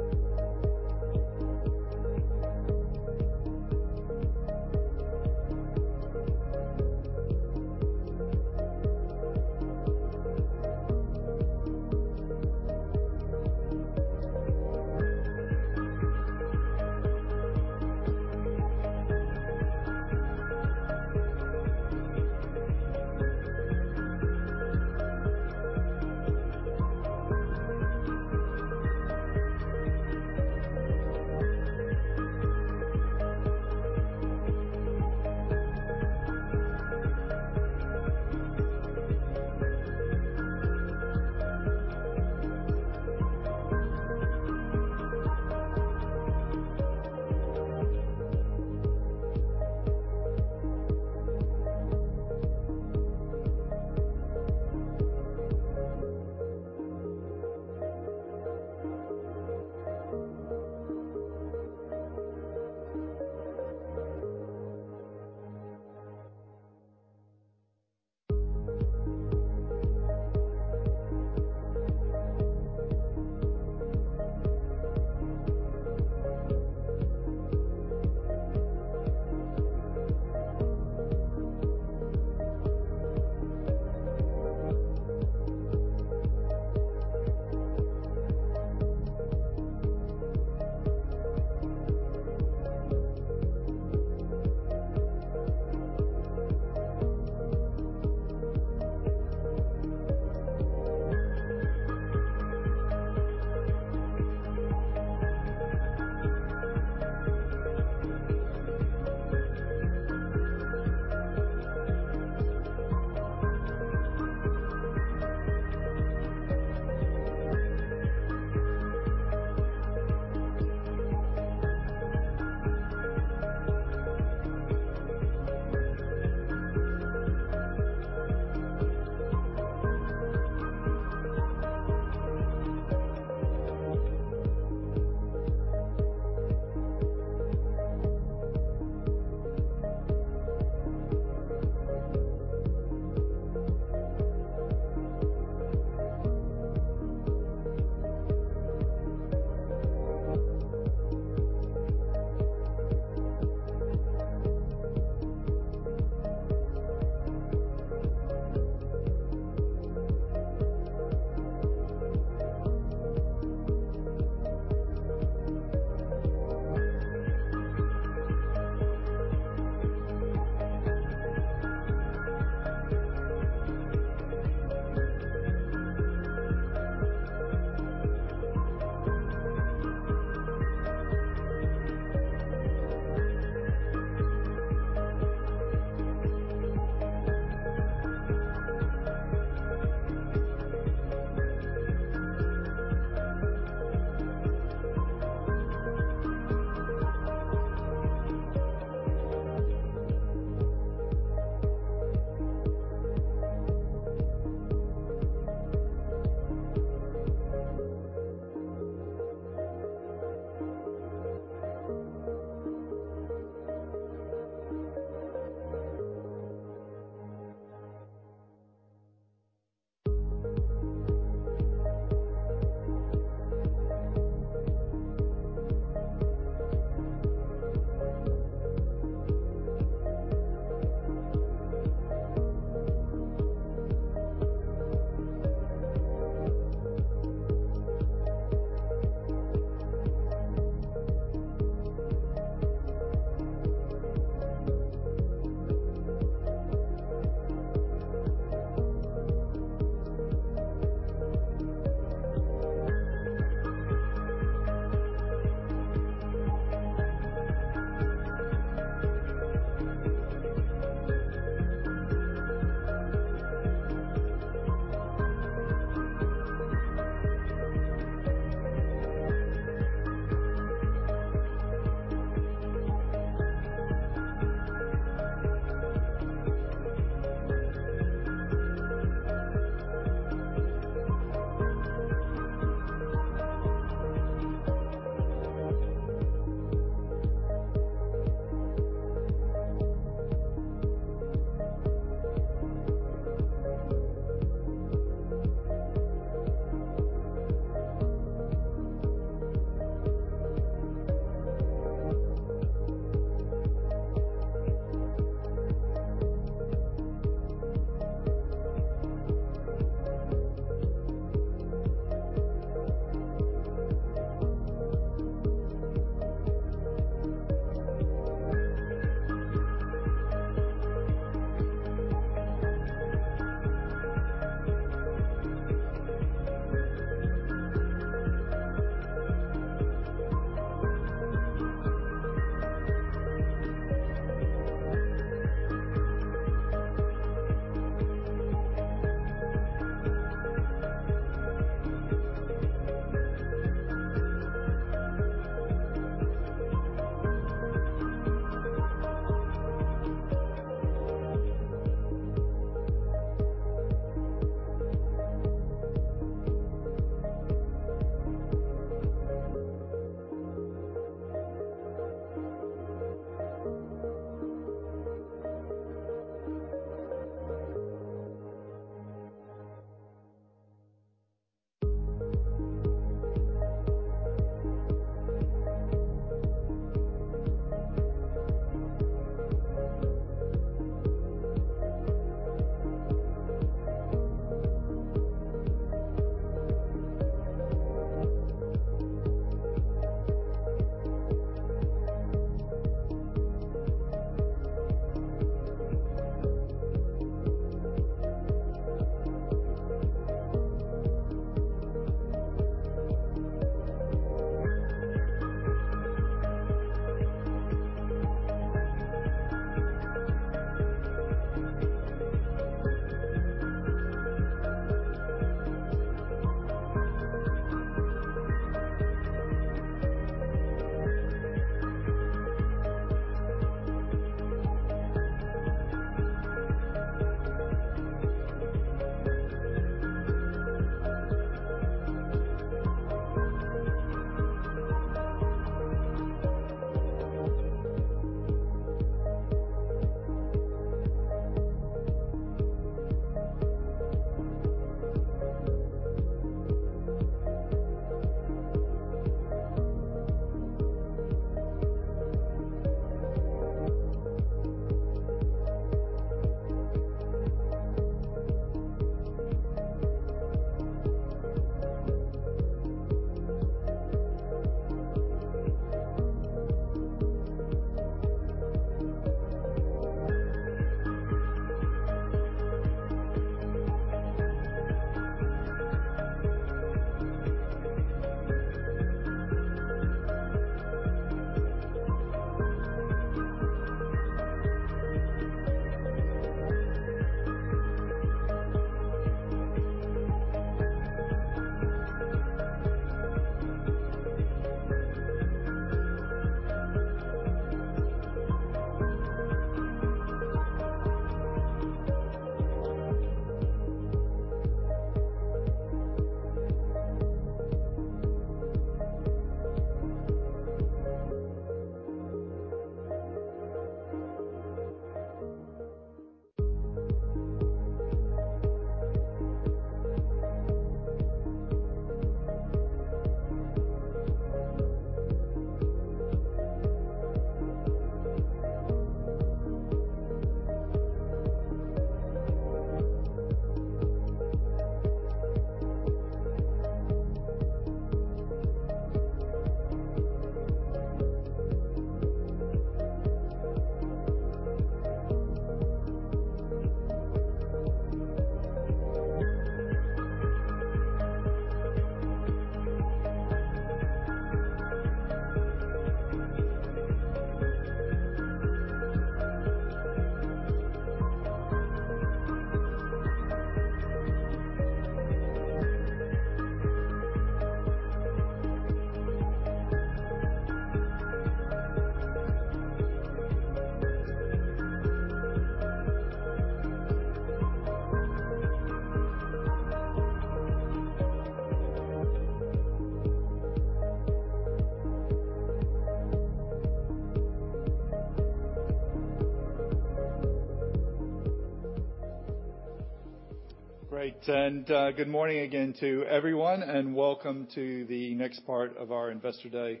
11:25. Great. Good morning again to everyone, and welcome to the next part of our Investor Day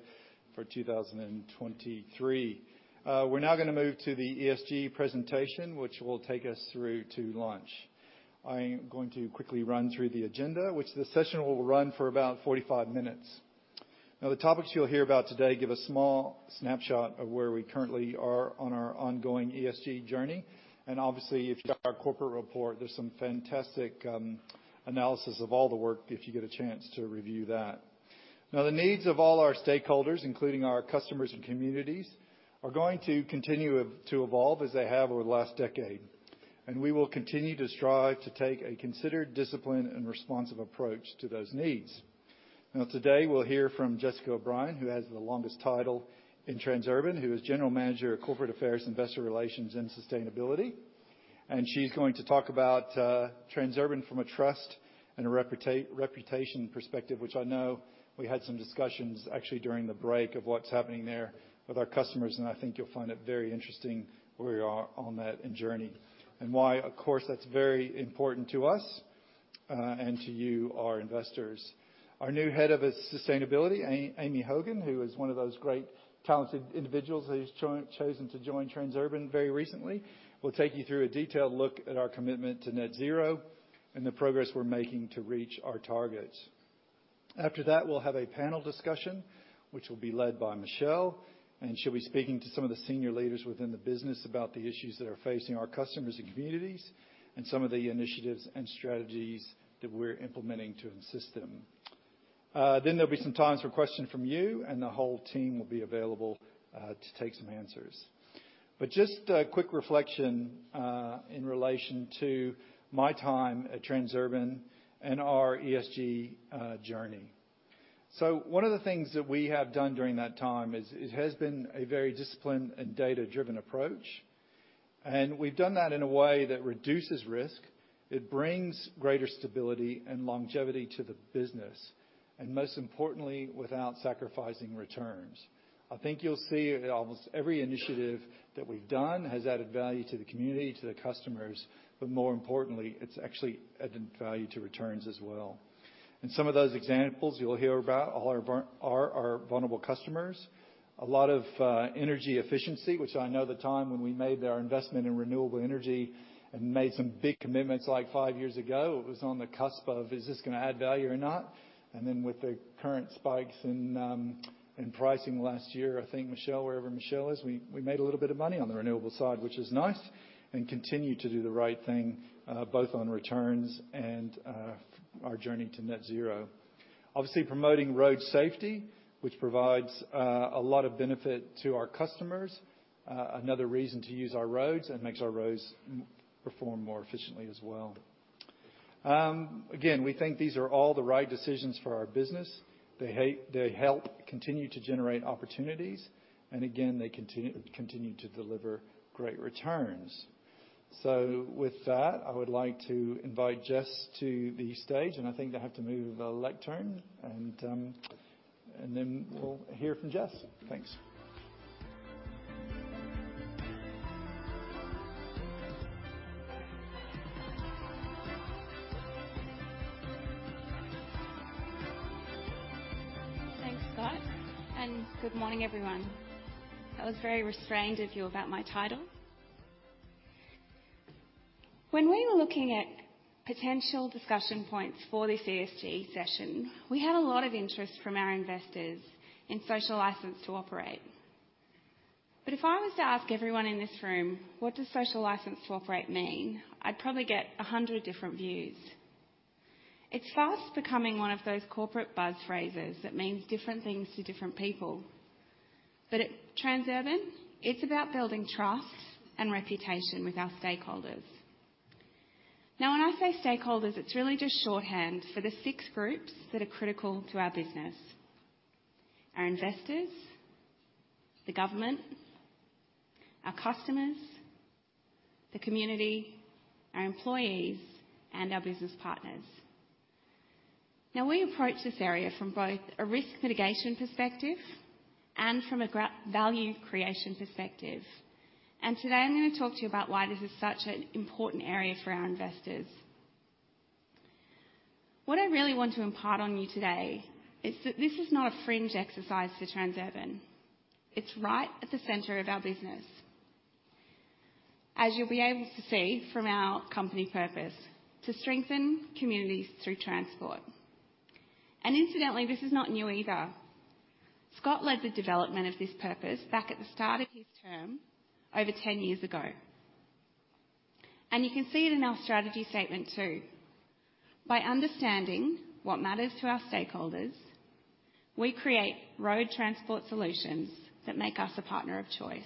for 2023. We're now gonna move to the ESG presentation, which will take us through to launch. I'm going to quickly run through the agenda, which the session will run for about 45 minutes. The topics you'll hear about today give a small snapshot of where we currently are on our ongoing ESG journey, and obviously if you've got our corporate report, there's some fantastic analysis of all the work if you get a chance to review that. The needs of all our stakeholders, including our customers and communities, are going to continue to evolve as they have over the last decade. We will continue to strive to take a considered discipline and responsive approach to those needs. Now, today, we'll hear from Jessica O'Brien, who has the longest title in Transurban, who is General Manager of Corporate Affairs, Investor Relations, and Sustainability. She's going to talk about Transurban from a trust and a reputation perspective, which I know we had some discussions actually during the break of what's happening there with our customers, and I think you'll find it very interesting where we are on that journey, and why, of course, that's very important to us and to you, our investors. Our new Head of Sustainability, Amy Hogan, who is one of those great talented individuals who's chosen to join Transurban very recently, will take you through a detailed look at our commitment to net zero and the progress we're making to reach our targets. After that, we'll have a panel discussion which will be led by Michelle, and she'll be speaking to some of the senior leaders within the business about the issues that are facing our customers and communities and some of the initiatives and strategies that we're implementing to assist them. Then there'll be some time for questions from you and the whole team will be available to take some answers. Just a quick reflection in relation to my time at Transurban and our ESG journey. One of the things that we have done during that time is it has been a very disciplined and data-driven approach, and we've done that in a way that reduces risk. It brings greater stability and longevity to the business, and most importantly, without sacrificing returns. I think you'll see almost every initiative that we've done has added value to the community, to the customers, more importantly, it's actually added value to returns as well. Some of those examples you'll hear about are our vulnerable customers. A lot of energy efficiency, which I know the time when we made our investment in renewable energy and made some big commitments like five years ago, it was on the cusp of, is this gonna add value or not? With the current spikes in pricing last year, I think Michelle, wherever Michelle is, we made a little bit of money on the renewable side, which is nice, and continue to do the right thing both on returns and our journey to net zero. Obviously, promoting road safety, which provides a lot of benefit to our customers. Another reason to use our roads, makes our roads perform more efficiently as well. We think these are all the right decisions for our business. They help continue to generate opportunities. They continue to deliver great returns. With that, I would like to invite Jess to the stage. I think they have to move a lectern, we'll hear from Jess. Thanks. Thanks, Scott. Good morning, everyone. That was very restrained of you about my title. When we were looking at potential discussion points for this ESG session, we had a lot of interest from our investors in social license to operate. If I was to ask everyone in this room, what does social license to operate mean? I'd probably get 100 different views. It's fast becoming one of those corporate buzz phrases that means different things to different people. At Transurban, it's about building trust and reputation with our stakeholders. When I say stakeholders, it's really just shorthand for the six groups that are critical to our business. Our investors, the government, our customers, the community, our employees, and our business partners. We approach this area from both a risk mitigation perspective and from a value creation perspective. Today I'm gonna talk to you about why this is such an important area for our investors. What I really want to impart on you today is that this is not a fringe exercise to Transurban. It's right at the center of our business. As you'll be able to see from our company purpose, to strengthen communities through transport. Incidentally, this is not new either. Scott led the development of this purpose back at the start of his term over 10 years ago. You can see it in our strategy statement too. By understanding what matters to our stakeholders, we create road transport solutions that make us a partner of choice.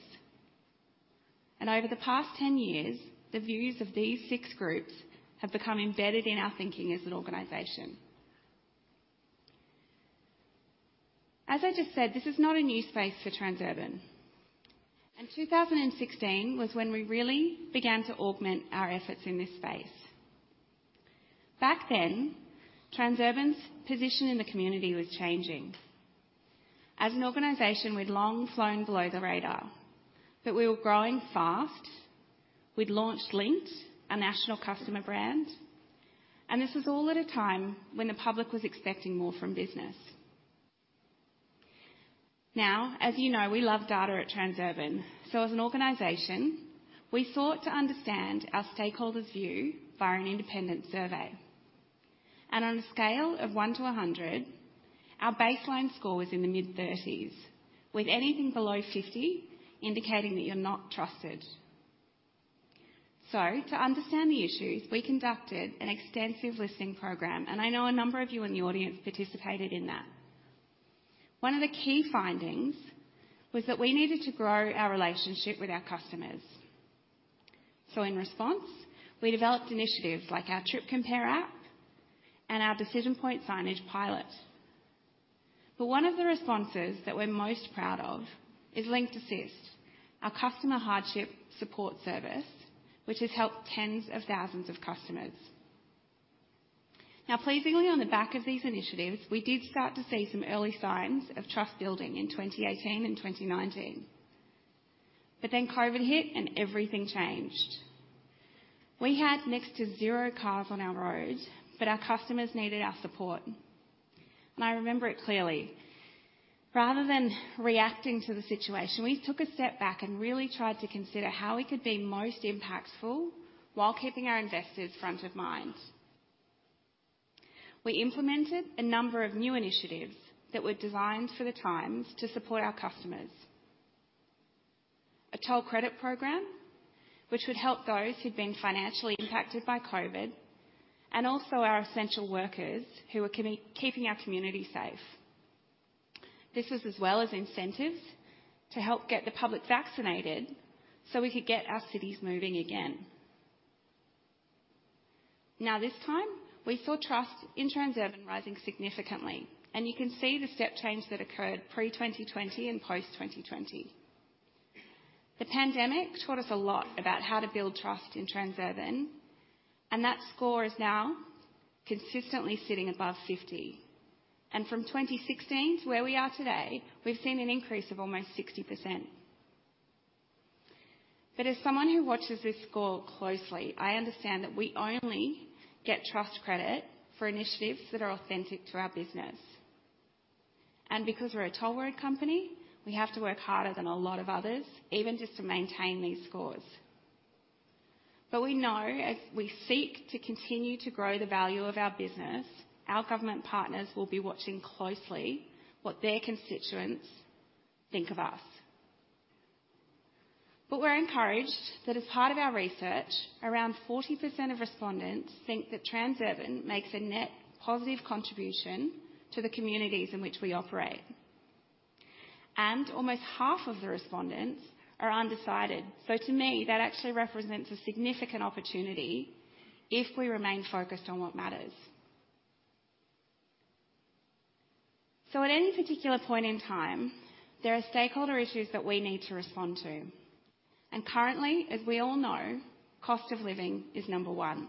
Over the past 10 years, the views of these 6 groups have become embedded in our thinking as an organization. As I just said, this is not a new space for Transurban. 2016 was when we really began to augment our efforts in this space. Back then, Transurban's position in the community was changing. As an organization, we'd long flown below the radar, but we were growing fast. We'd launched Linkt, a national customer brand, and this was all at a time when the public was expecting more from business. As you know, we love data at Transurban, so as an organization, we sought to understand our stakeholders' view via an independent survey. On a scale of 1 to 100, our baseline score was in the mid-30s, with anything below 50 indicating that you're not trusted. To understand the issues, we conducted an extensive listening program, and I know a number of you in the audience participated in that. One of the key findings was that we needed to grow our relationship with our customers. In response, we developed initiatives like our Trip Compare app and our Decision Point Signage pilot. One of the responses that we're most proud of is Linkt Assist, our customer hardship support service, which has helped tens of thousands of customers. Pleasingly, on the back of these initiatives, we did start to see some early signs of trust-building in 2018 and 2019. COVID hit and everything changed. We had next to 0 cars on our roads, but our customers needed our support. I remember it clearly. Rather than reacting to the situation, we took a step back and really tried to consider how we could be most impactful while keeping our investors front of mind. We implemented a number of new initiatives that were designed for the times to support our customers. A toll credit program, which would help those who'd been financially impacted by COVID, and also our essential workers who were keeping our community safe. This was as well as incentives to help get the public vaccinated so we could get our cities moving again. This time, we saw trust in Transurban rising significantly, and you can see the step change that occurred pre-2020 and post-2020. The pandemic taught us a lot about how to build trust in Transurban, and that score is now consistently sitting above 50. From 2016 to where we are today, we've seen an increase of almost 60%. As someone who watches this score closely, I understand that we only get trust credit for initiatives that are authentic to our business. Because we're a toll road company, we have to work harder than a lot of others, even just to maintain these scores. We know as we seek to continue to grow the value of our business, our government partners will be watching closely what their constituents think of us. We're encouraged that as part of our research, around 40% of respondents think that Transurban makes a net positive contribution to the communities in which we operate. Almost half of the respondents are undecided. To me, that actually represents a significant opportunity if we remain focused on what matters. At any particular point in time, there are stakeholder issues that we need to respond to. Currently, as we all know, cost of living is number one.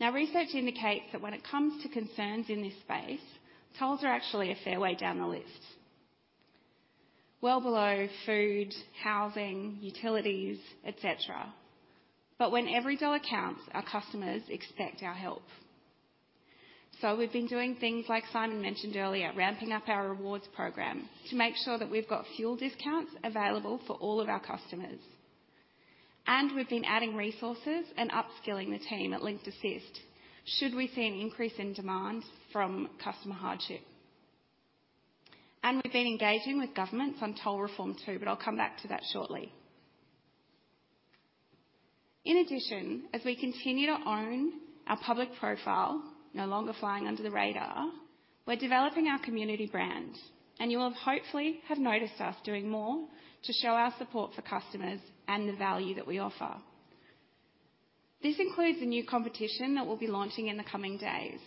Research indicates that when it comes to concerns in this space, tolls are actually a fair way down the list, well below food, housing, utilities, et cetera. When every dollar counts, our customers expect our help. We've been doing things like Simon mentioned earlier, ramping up our rewards program to make sure that we've got fuel discounts available for all of our customers. We've been adding resources and upskilling the team at Linkt Assist should we see an increase in demands from customer hardship. We've been engaging with governments on toll reform too, but I'll come back to that shortly. In addition, as we continue to own our public profile, no longer flying under the radar, we're developing our community brand, you will have hopefully have noticed us doing more to show our support for customers and the value that we offer. This includes a new competition that we'll be launching in the coming days.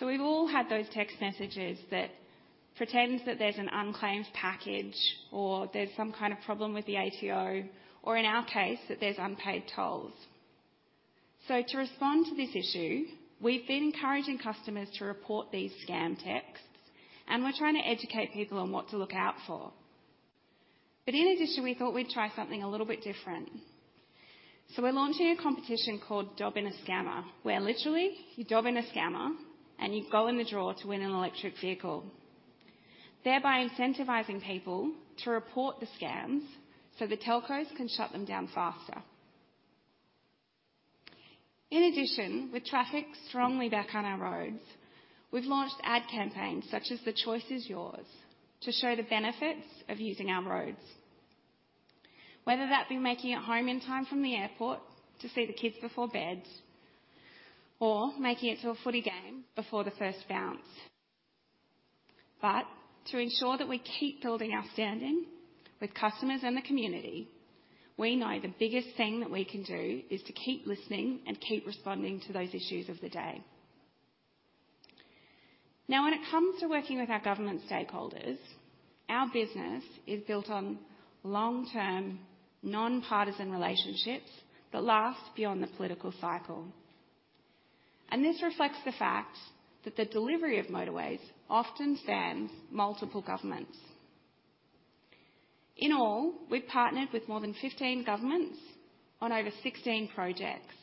We've all had those text messages that pretends that there's an unclaimed package or there's some kind of problem with the ATO, or in our case, that there's unpaid tolls. To respond to this issue, we've been encouraging customers to report these scam texts, and we're trying to educate people on what to look out for. In addition, we thought we'd try something a little bit different. We're launching a competition called Dob in a Scammer, where literally you dob in a scammer and you go in the draw to win an electric vehicle, thereby incentivizing people to report the scams so the telcos can shut them down faster. With traffic strongly back on our roads, we've launched ad campaigns such as The Choice Is Yours to show the benefits of using our roads. Whether that be making it home in time from the airport to see the kids before bed, or making it to a footy game before the first bounce. To ensure that we keep building our standing with customers and the community, we know the biggest thing that we can do is to keep listening and keep responding to those issues of the day. When it comes to working with our government stakeholders, our business is built on long-term, non-partisan relationships that last beyond the political cycle. This reflects the fact that the delivery of motorways often spans multiple governments. In all, we've partnered with more than 15 governments on over 16 projects.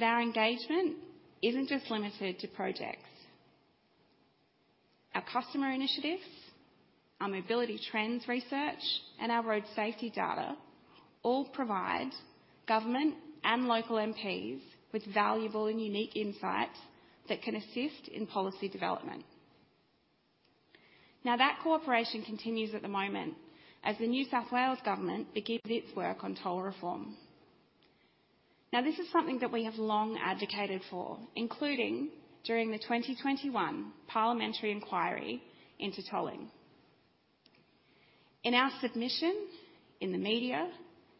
Our engagement isn't just limited to projects. Our customer initiatives, our mobility trends research, and our road safety data all provide government and local MPs with valuable and unique insights that can assist in policy development. That cooperation continues at the moment as the New South Wales Government begins its work on toll reform. This is something that we have long advocated for, including during the 2021 parliamentary inquiry into tolling. In our submission, in the media,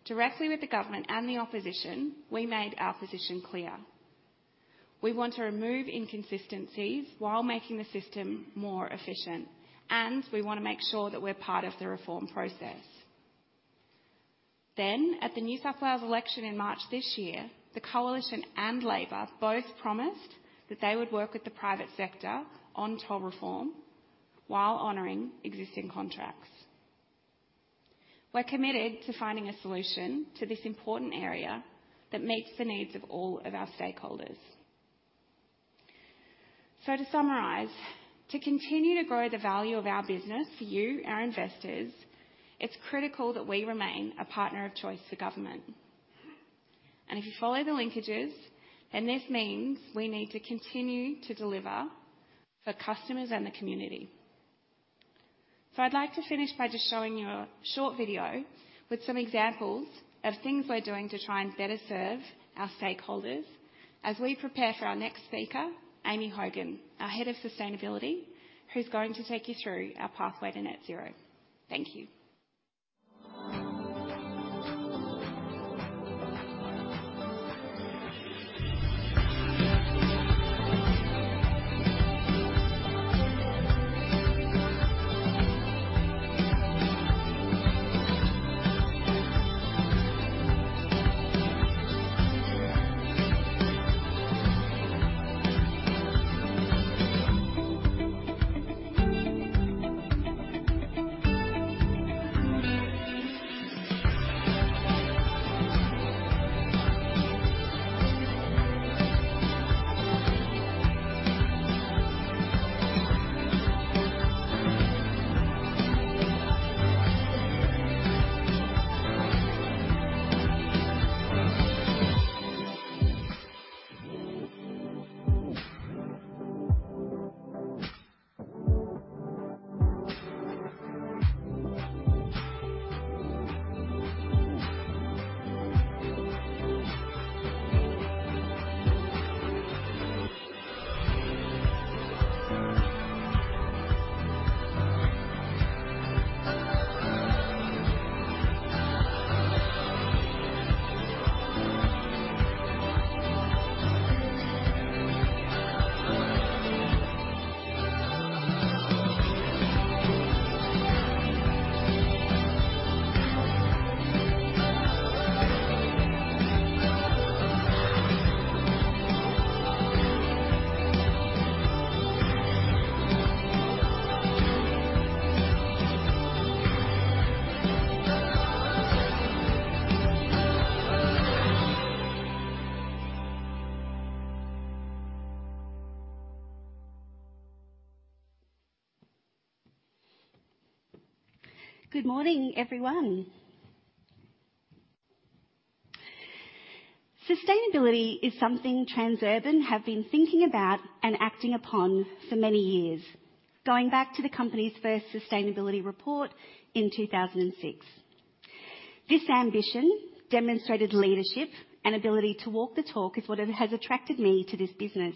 directly with the government and the opposition, we made our position clear. We want to remove inconsistencies while making the system more efficient, and we wanna make sure that we're part of the reform process. At the New South Wales election in March this year, the Coalition and Labor both promised that they would work with the private sector on toll reform while honoring existing contracts. We're committed to finding a solution to this important area that meets the needs of all of our stakeholders. To summarize, to continue to grow the value of our business for you, our investors, it's critical that we remain a partner of choice for government. If you follow the linkages, then this means we need to continue to deliver for customers and the community. I'd like to finish by just showing you a short video with some examples of things we're doing to try and better serve our stakeholders as we prepare for our next speaker, Amy Hogan, our Head of Sustainability, who's going to take you through our pathway to net zero. Thank you. Good morning, everyone. Sustainability is something Transurban have been thinking about and acting upon for many years, going back to the company's first sustainability report in 2006. This ambition demonstrated leadership and ability to walk the talk is what it has attracted me to this business.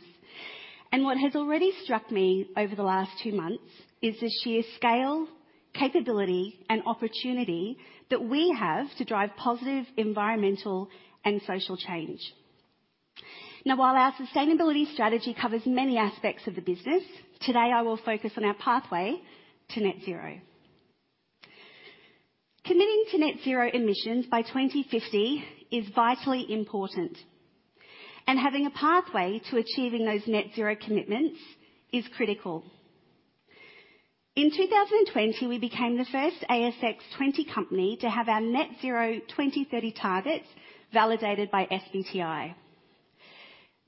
What has already struck me over the last 2 months is the sheer scale Capability and opportunity that we have to drive positive environmental and social change. While our sustainability strategy covers many aspects of the business, today I will focus on our pathway to net zero. Committing to net zero emissions by 2050 is vitally important, and having a pathway to achieving those net zero commitments is critical. In 2020, we became the first ASX 20 company to have our net zero 2030 targets validated by SBTi.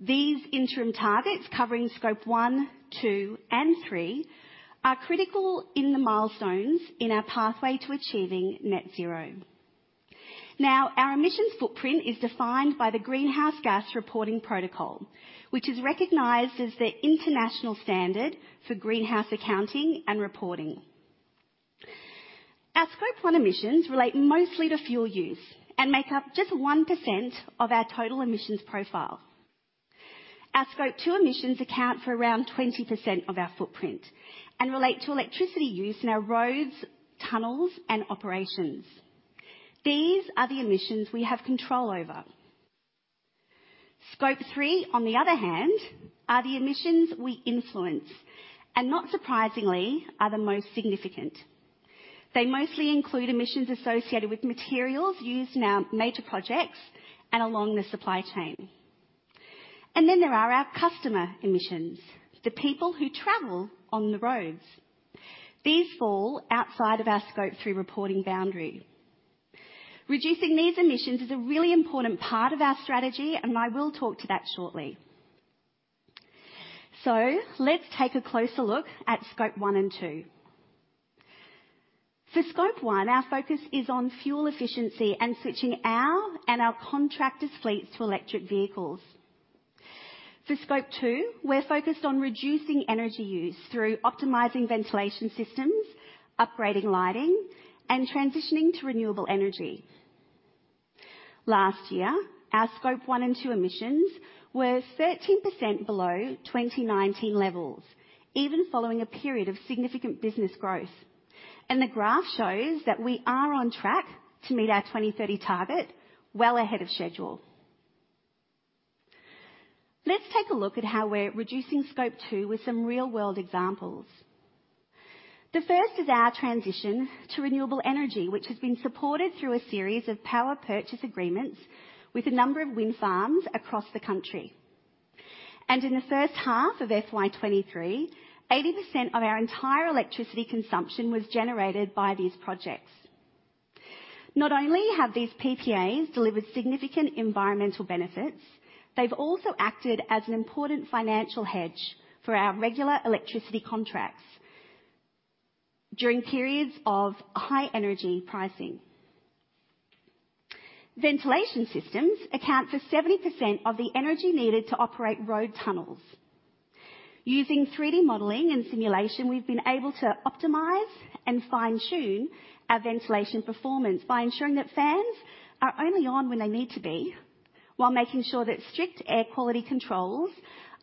These interim targets covering scope one, two, and three are critical in the milestones in our pathway to achieving net zero. Our emissions footprint is defined by the Greenhouse Gas Reporting Protocol, which is recognized as the international standard for greenhouse accounting and reporting. Our scope one emissions relate mostly to fuel use and make up just 1% of our total emissions profile. Our scope two emissions account for around 20% of our footprint and relate to electricity use in our roads, tunnels, and operations. These are the emissions we have control over. Scope three, on the other hand, are the emissions we influence, and not surprisingly, are the most significant. They mostly include emissions associated with materials used in our major projects and along the supply chain. Then there are our customer emissions, the people who travel on the roads. These fall outside of our scope three reporting boundary. Reducing these emissions is a really important part of our strategy, and I will talk to that shortly. Let's take a closer look at scope one and two. For scope one, our focus is on fuel efficiency and switching our and our contractors' fleets to electric vehicles. For scope two, we're focused on reducing energy use through optimizing ventilation systems, upgrading lighting, and transitioning to renewable energy. Last year, our scope one and two emissions were 13% below 2019 levels, even following a period of significant business growth. The graph shows that we are on track to meet our 2030 target well ahead of schedule. Let's take a look at how we're reducing scope two with some real-world examples. The first is our transition to renewable energy, which has been supported through a series of power purchase agreements with a number of wind farms across the country. In the first half of FY23, 80% of our entire electricity consumption was generated by these projects. Not only have these PPAs delivered significant environmental benefits, they've also acted as an important financial hedge for our regular electricity contracts during periods of high energy pricing. Ventilation systems account for 70% of the energy needed to operate road tunnels. Using 3D modeling and simulation, we've been able to optimize and fine-tune our ventilation performance by ensuring that fans are only on when they need to be while making sure that strict air quality controls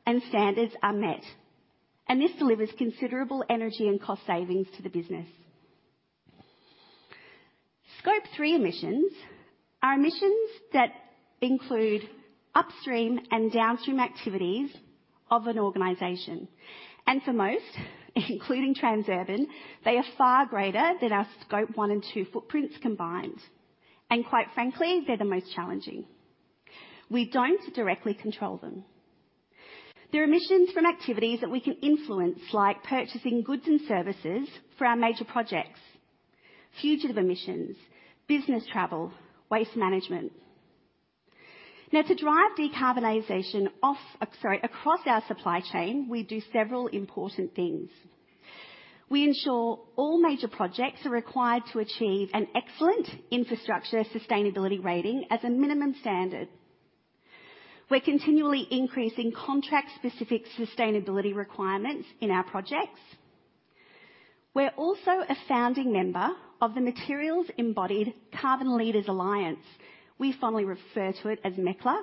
and standards are met. This delivers considerable energy and cost savings to the business. Scope three emissions are emissions that include upstream and downstream activities of an organization. For most, including Transurban, they are far greater than our Scope one and Scope two footprints combined. Quite frankly, they're the most challenging. We don't directly control them. They're emissions from activities that we can influence, like purchasing goods and services for our major projects, fugitive emissions, business travel, waste management. To drive decarbonization across our supply chain, we do several important things. We ensure all major projects are required to achieve an excellent infrastructure sustainability rating as a minimum standard. We're continually increasing contract-specific sustainability requirements in our projects. We're also a founding member of the Materials & Embodied Carbon Leaders' Alliance, we fondly refer to it as MECLA,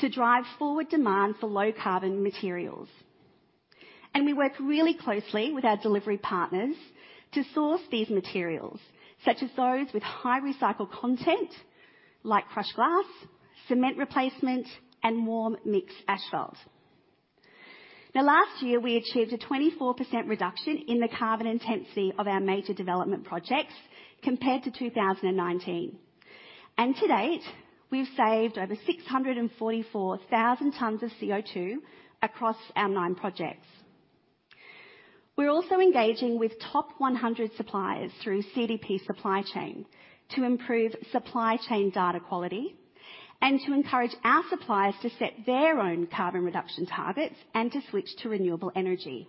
to drive forward demand for low carbon materials. We work really closely with our delivery partners to source these materials, such as those with high recycled content like crushed glass, cement replacement, and warm mix asphalt. Last year, we achieved a 24% reduction in the carbon intensity of our major development projects compared to 2019. To date, we've saved over 644,000 tons of CO2 across our nine projects. We're also engaging with top 100 suppliers through CDP Supply Chain to improve supply chain data quality and to encourage our suppliers to set their own carbon reduction targets and to switch to renewable energy.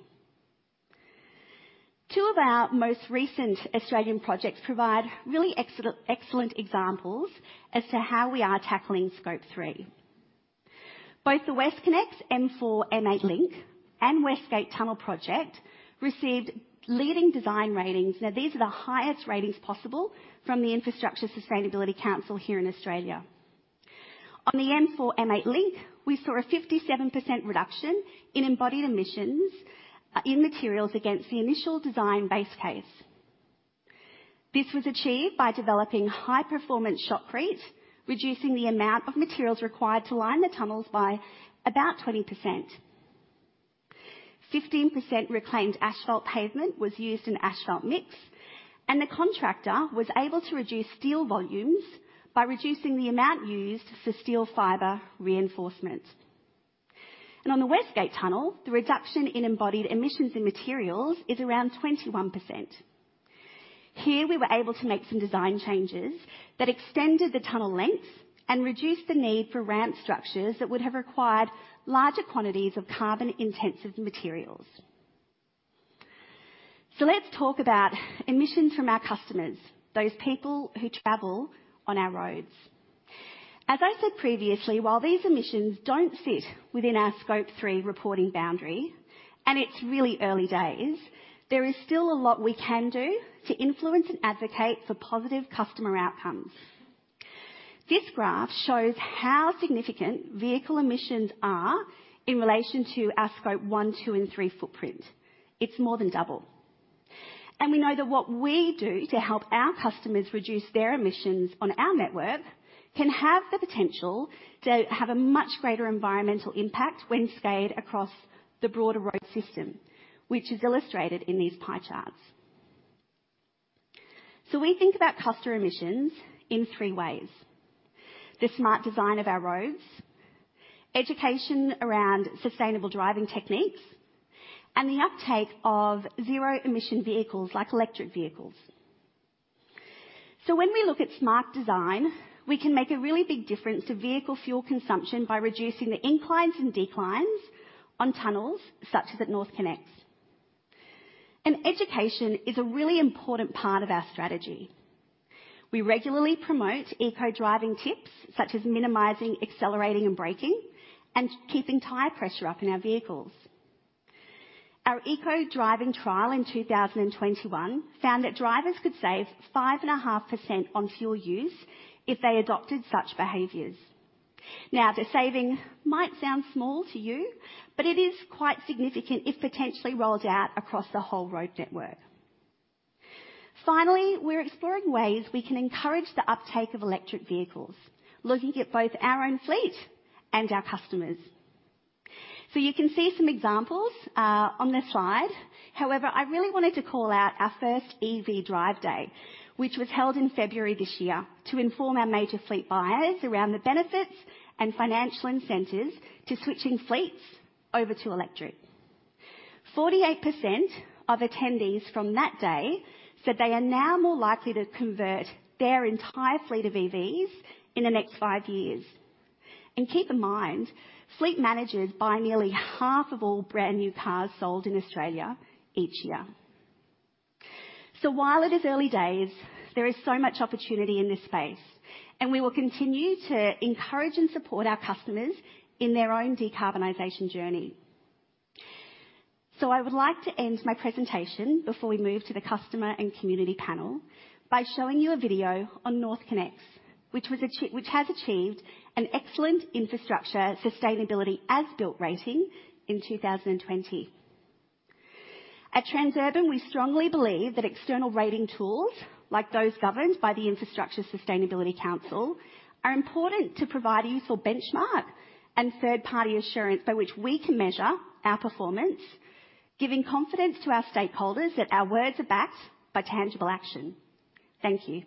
Two of our most recent Australian projects provide really excellent examples as to how we are tackling scope three. Both the WestConnex M4-M8 Link and West Gate Tunnel Project received leading design ratings. These are the highest ratings possible from the Infrastructure Sustainability Council here in Australia. On the M4-M8 Link, we saw a 57% reduction in embodied emissions in materials against the initial design base case. This was achieved by developing high performance shotcrete, reducing the amount of materials required to line the tunnels by about 20%. 15% reclaimed asphalt pavement was used in asphalt mix, and the contractor was able to reduce steel volumes by reducing the amount used for steel fiber reinforcement. On the West Gate Tunnel, the reduction in embodied emissions in materials is around 21%. Here, we were able to make some design changes that extended the tunnel length and reduced the need for ramp structures that would have required larger quantities of carbon-intensive materials. Let's talk about emissions from our customers, those people who travel on our roads. As I said previously, while these emissions don't sit within our scope three reporting boundary, and it's really early days, there is still a lot we can do to influence and advocate for positive customer outcomes. This graph shows how significant vehicle emissions are in relation to our scope one, two, and three footprint. It's more than double. We know that what we do to help our customers reduce their emissions on our network can have the potential to have a much greater environmental impact when scaled across the broader road system, which is illustrated in these pie charts. We think about customer emissions in three ways. The smart design of our roads, education around sustainable driving techniques, and the uptake of zero-emission vehicles like electric vehicles. When we look at smart design, we can make a really big difference to vehicle fuel consumption by reducing the inclines and declines on tunnels such as at NorthConnex. Education is a really important part of our strategy. We regularly promote eco-driving tips such as minimizing accelerating and braking and keeping tire pressure up in our vehicles. Our eco-driving trial in 2021 found that drivers could save 5.5% on fuel use if they adopted such behaviors. The saving might sound small to you, but it is quite significant if potentially rolled out across the whole road network. Finally, we're exploring ways we can encourage the uptake of electric vehicles, looking at both our own fleet and our customers. You can see some examples on this slide. I really wanted to call out our first EV Drive Day, which was held in February this year to inform our major fleet buyers around the benefits and financial incentives to switching fleets over to electric. 48% of attendees from that day said they are now more likely to convert their entire fleet of EVs in the next 5 years. Keep in mind, fleet managers buy nearly half of all brand-new cars sold in Australia each year. While it is early days, there is so much opportunity in this space, and we will continue to encourage and support our customers in their own decarbonization journey. I would like to end my presentation before we move to the customer and community panel by showing you a video on NorthConnex, which has achieved an excellent Infrastructure Sustainability as built rating in 2020. At Transurban, we strongly believe that external rating tools, like those governed by the Infrastructure Sustainability Council, are important to provide a useful benchmark and third-party assurance by which we can measure our performance, giving confidence to our stakeholders that our words are backed by tangible action. Thank you.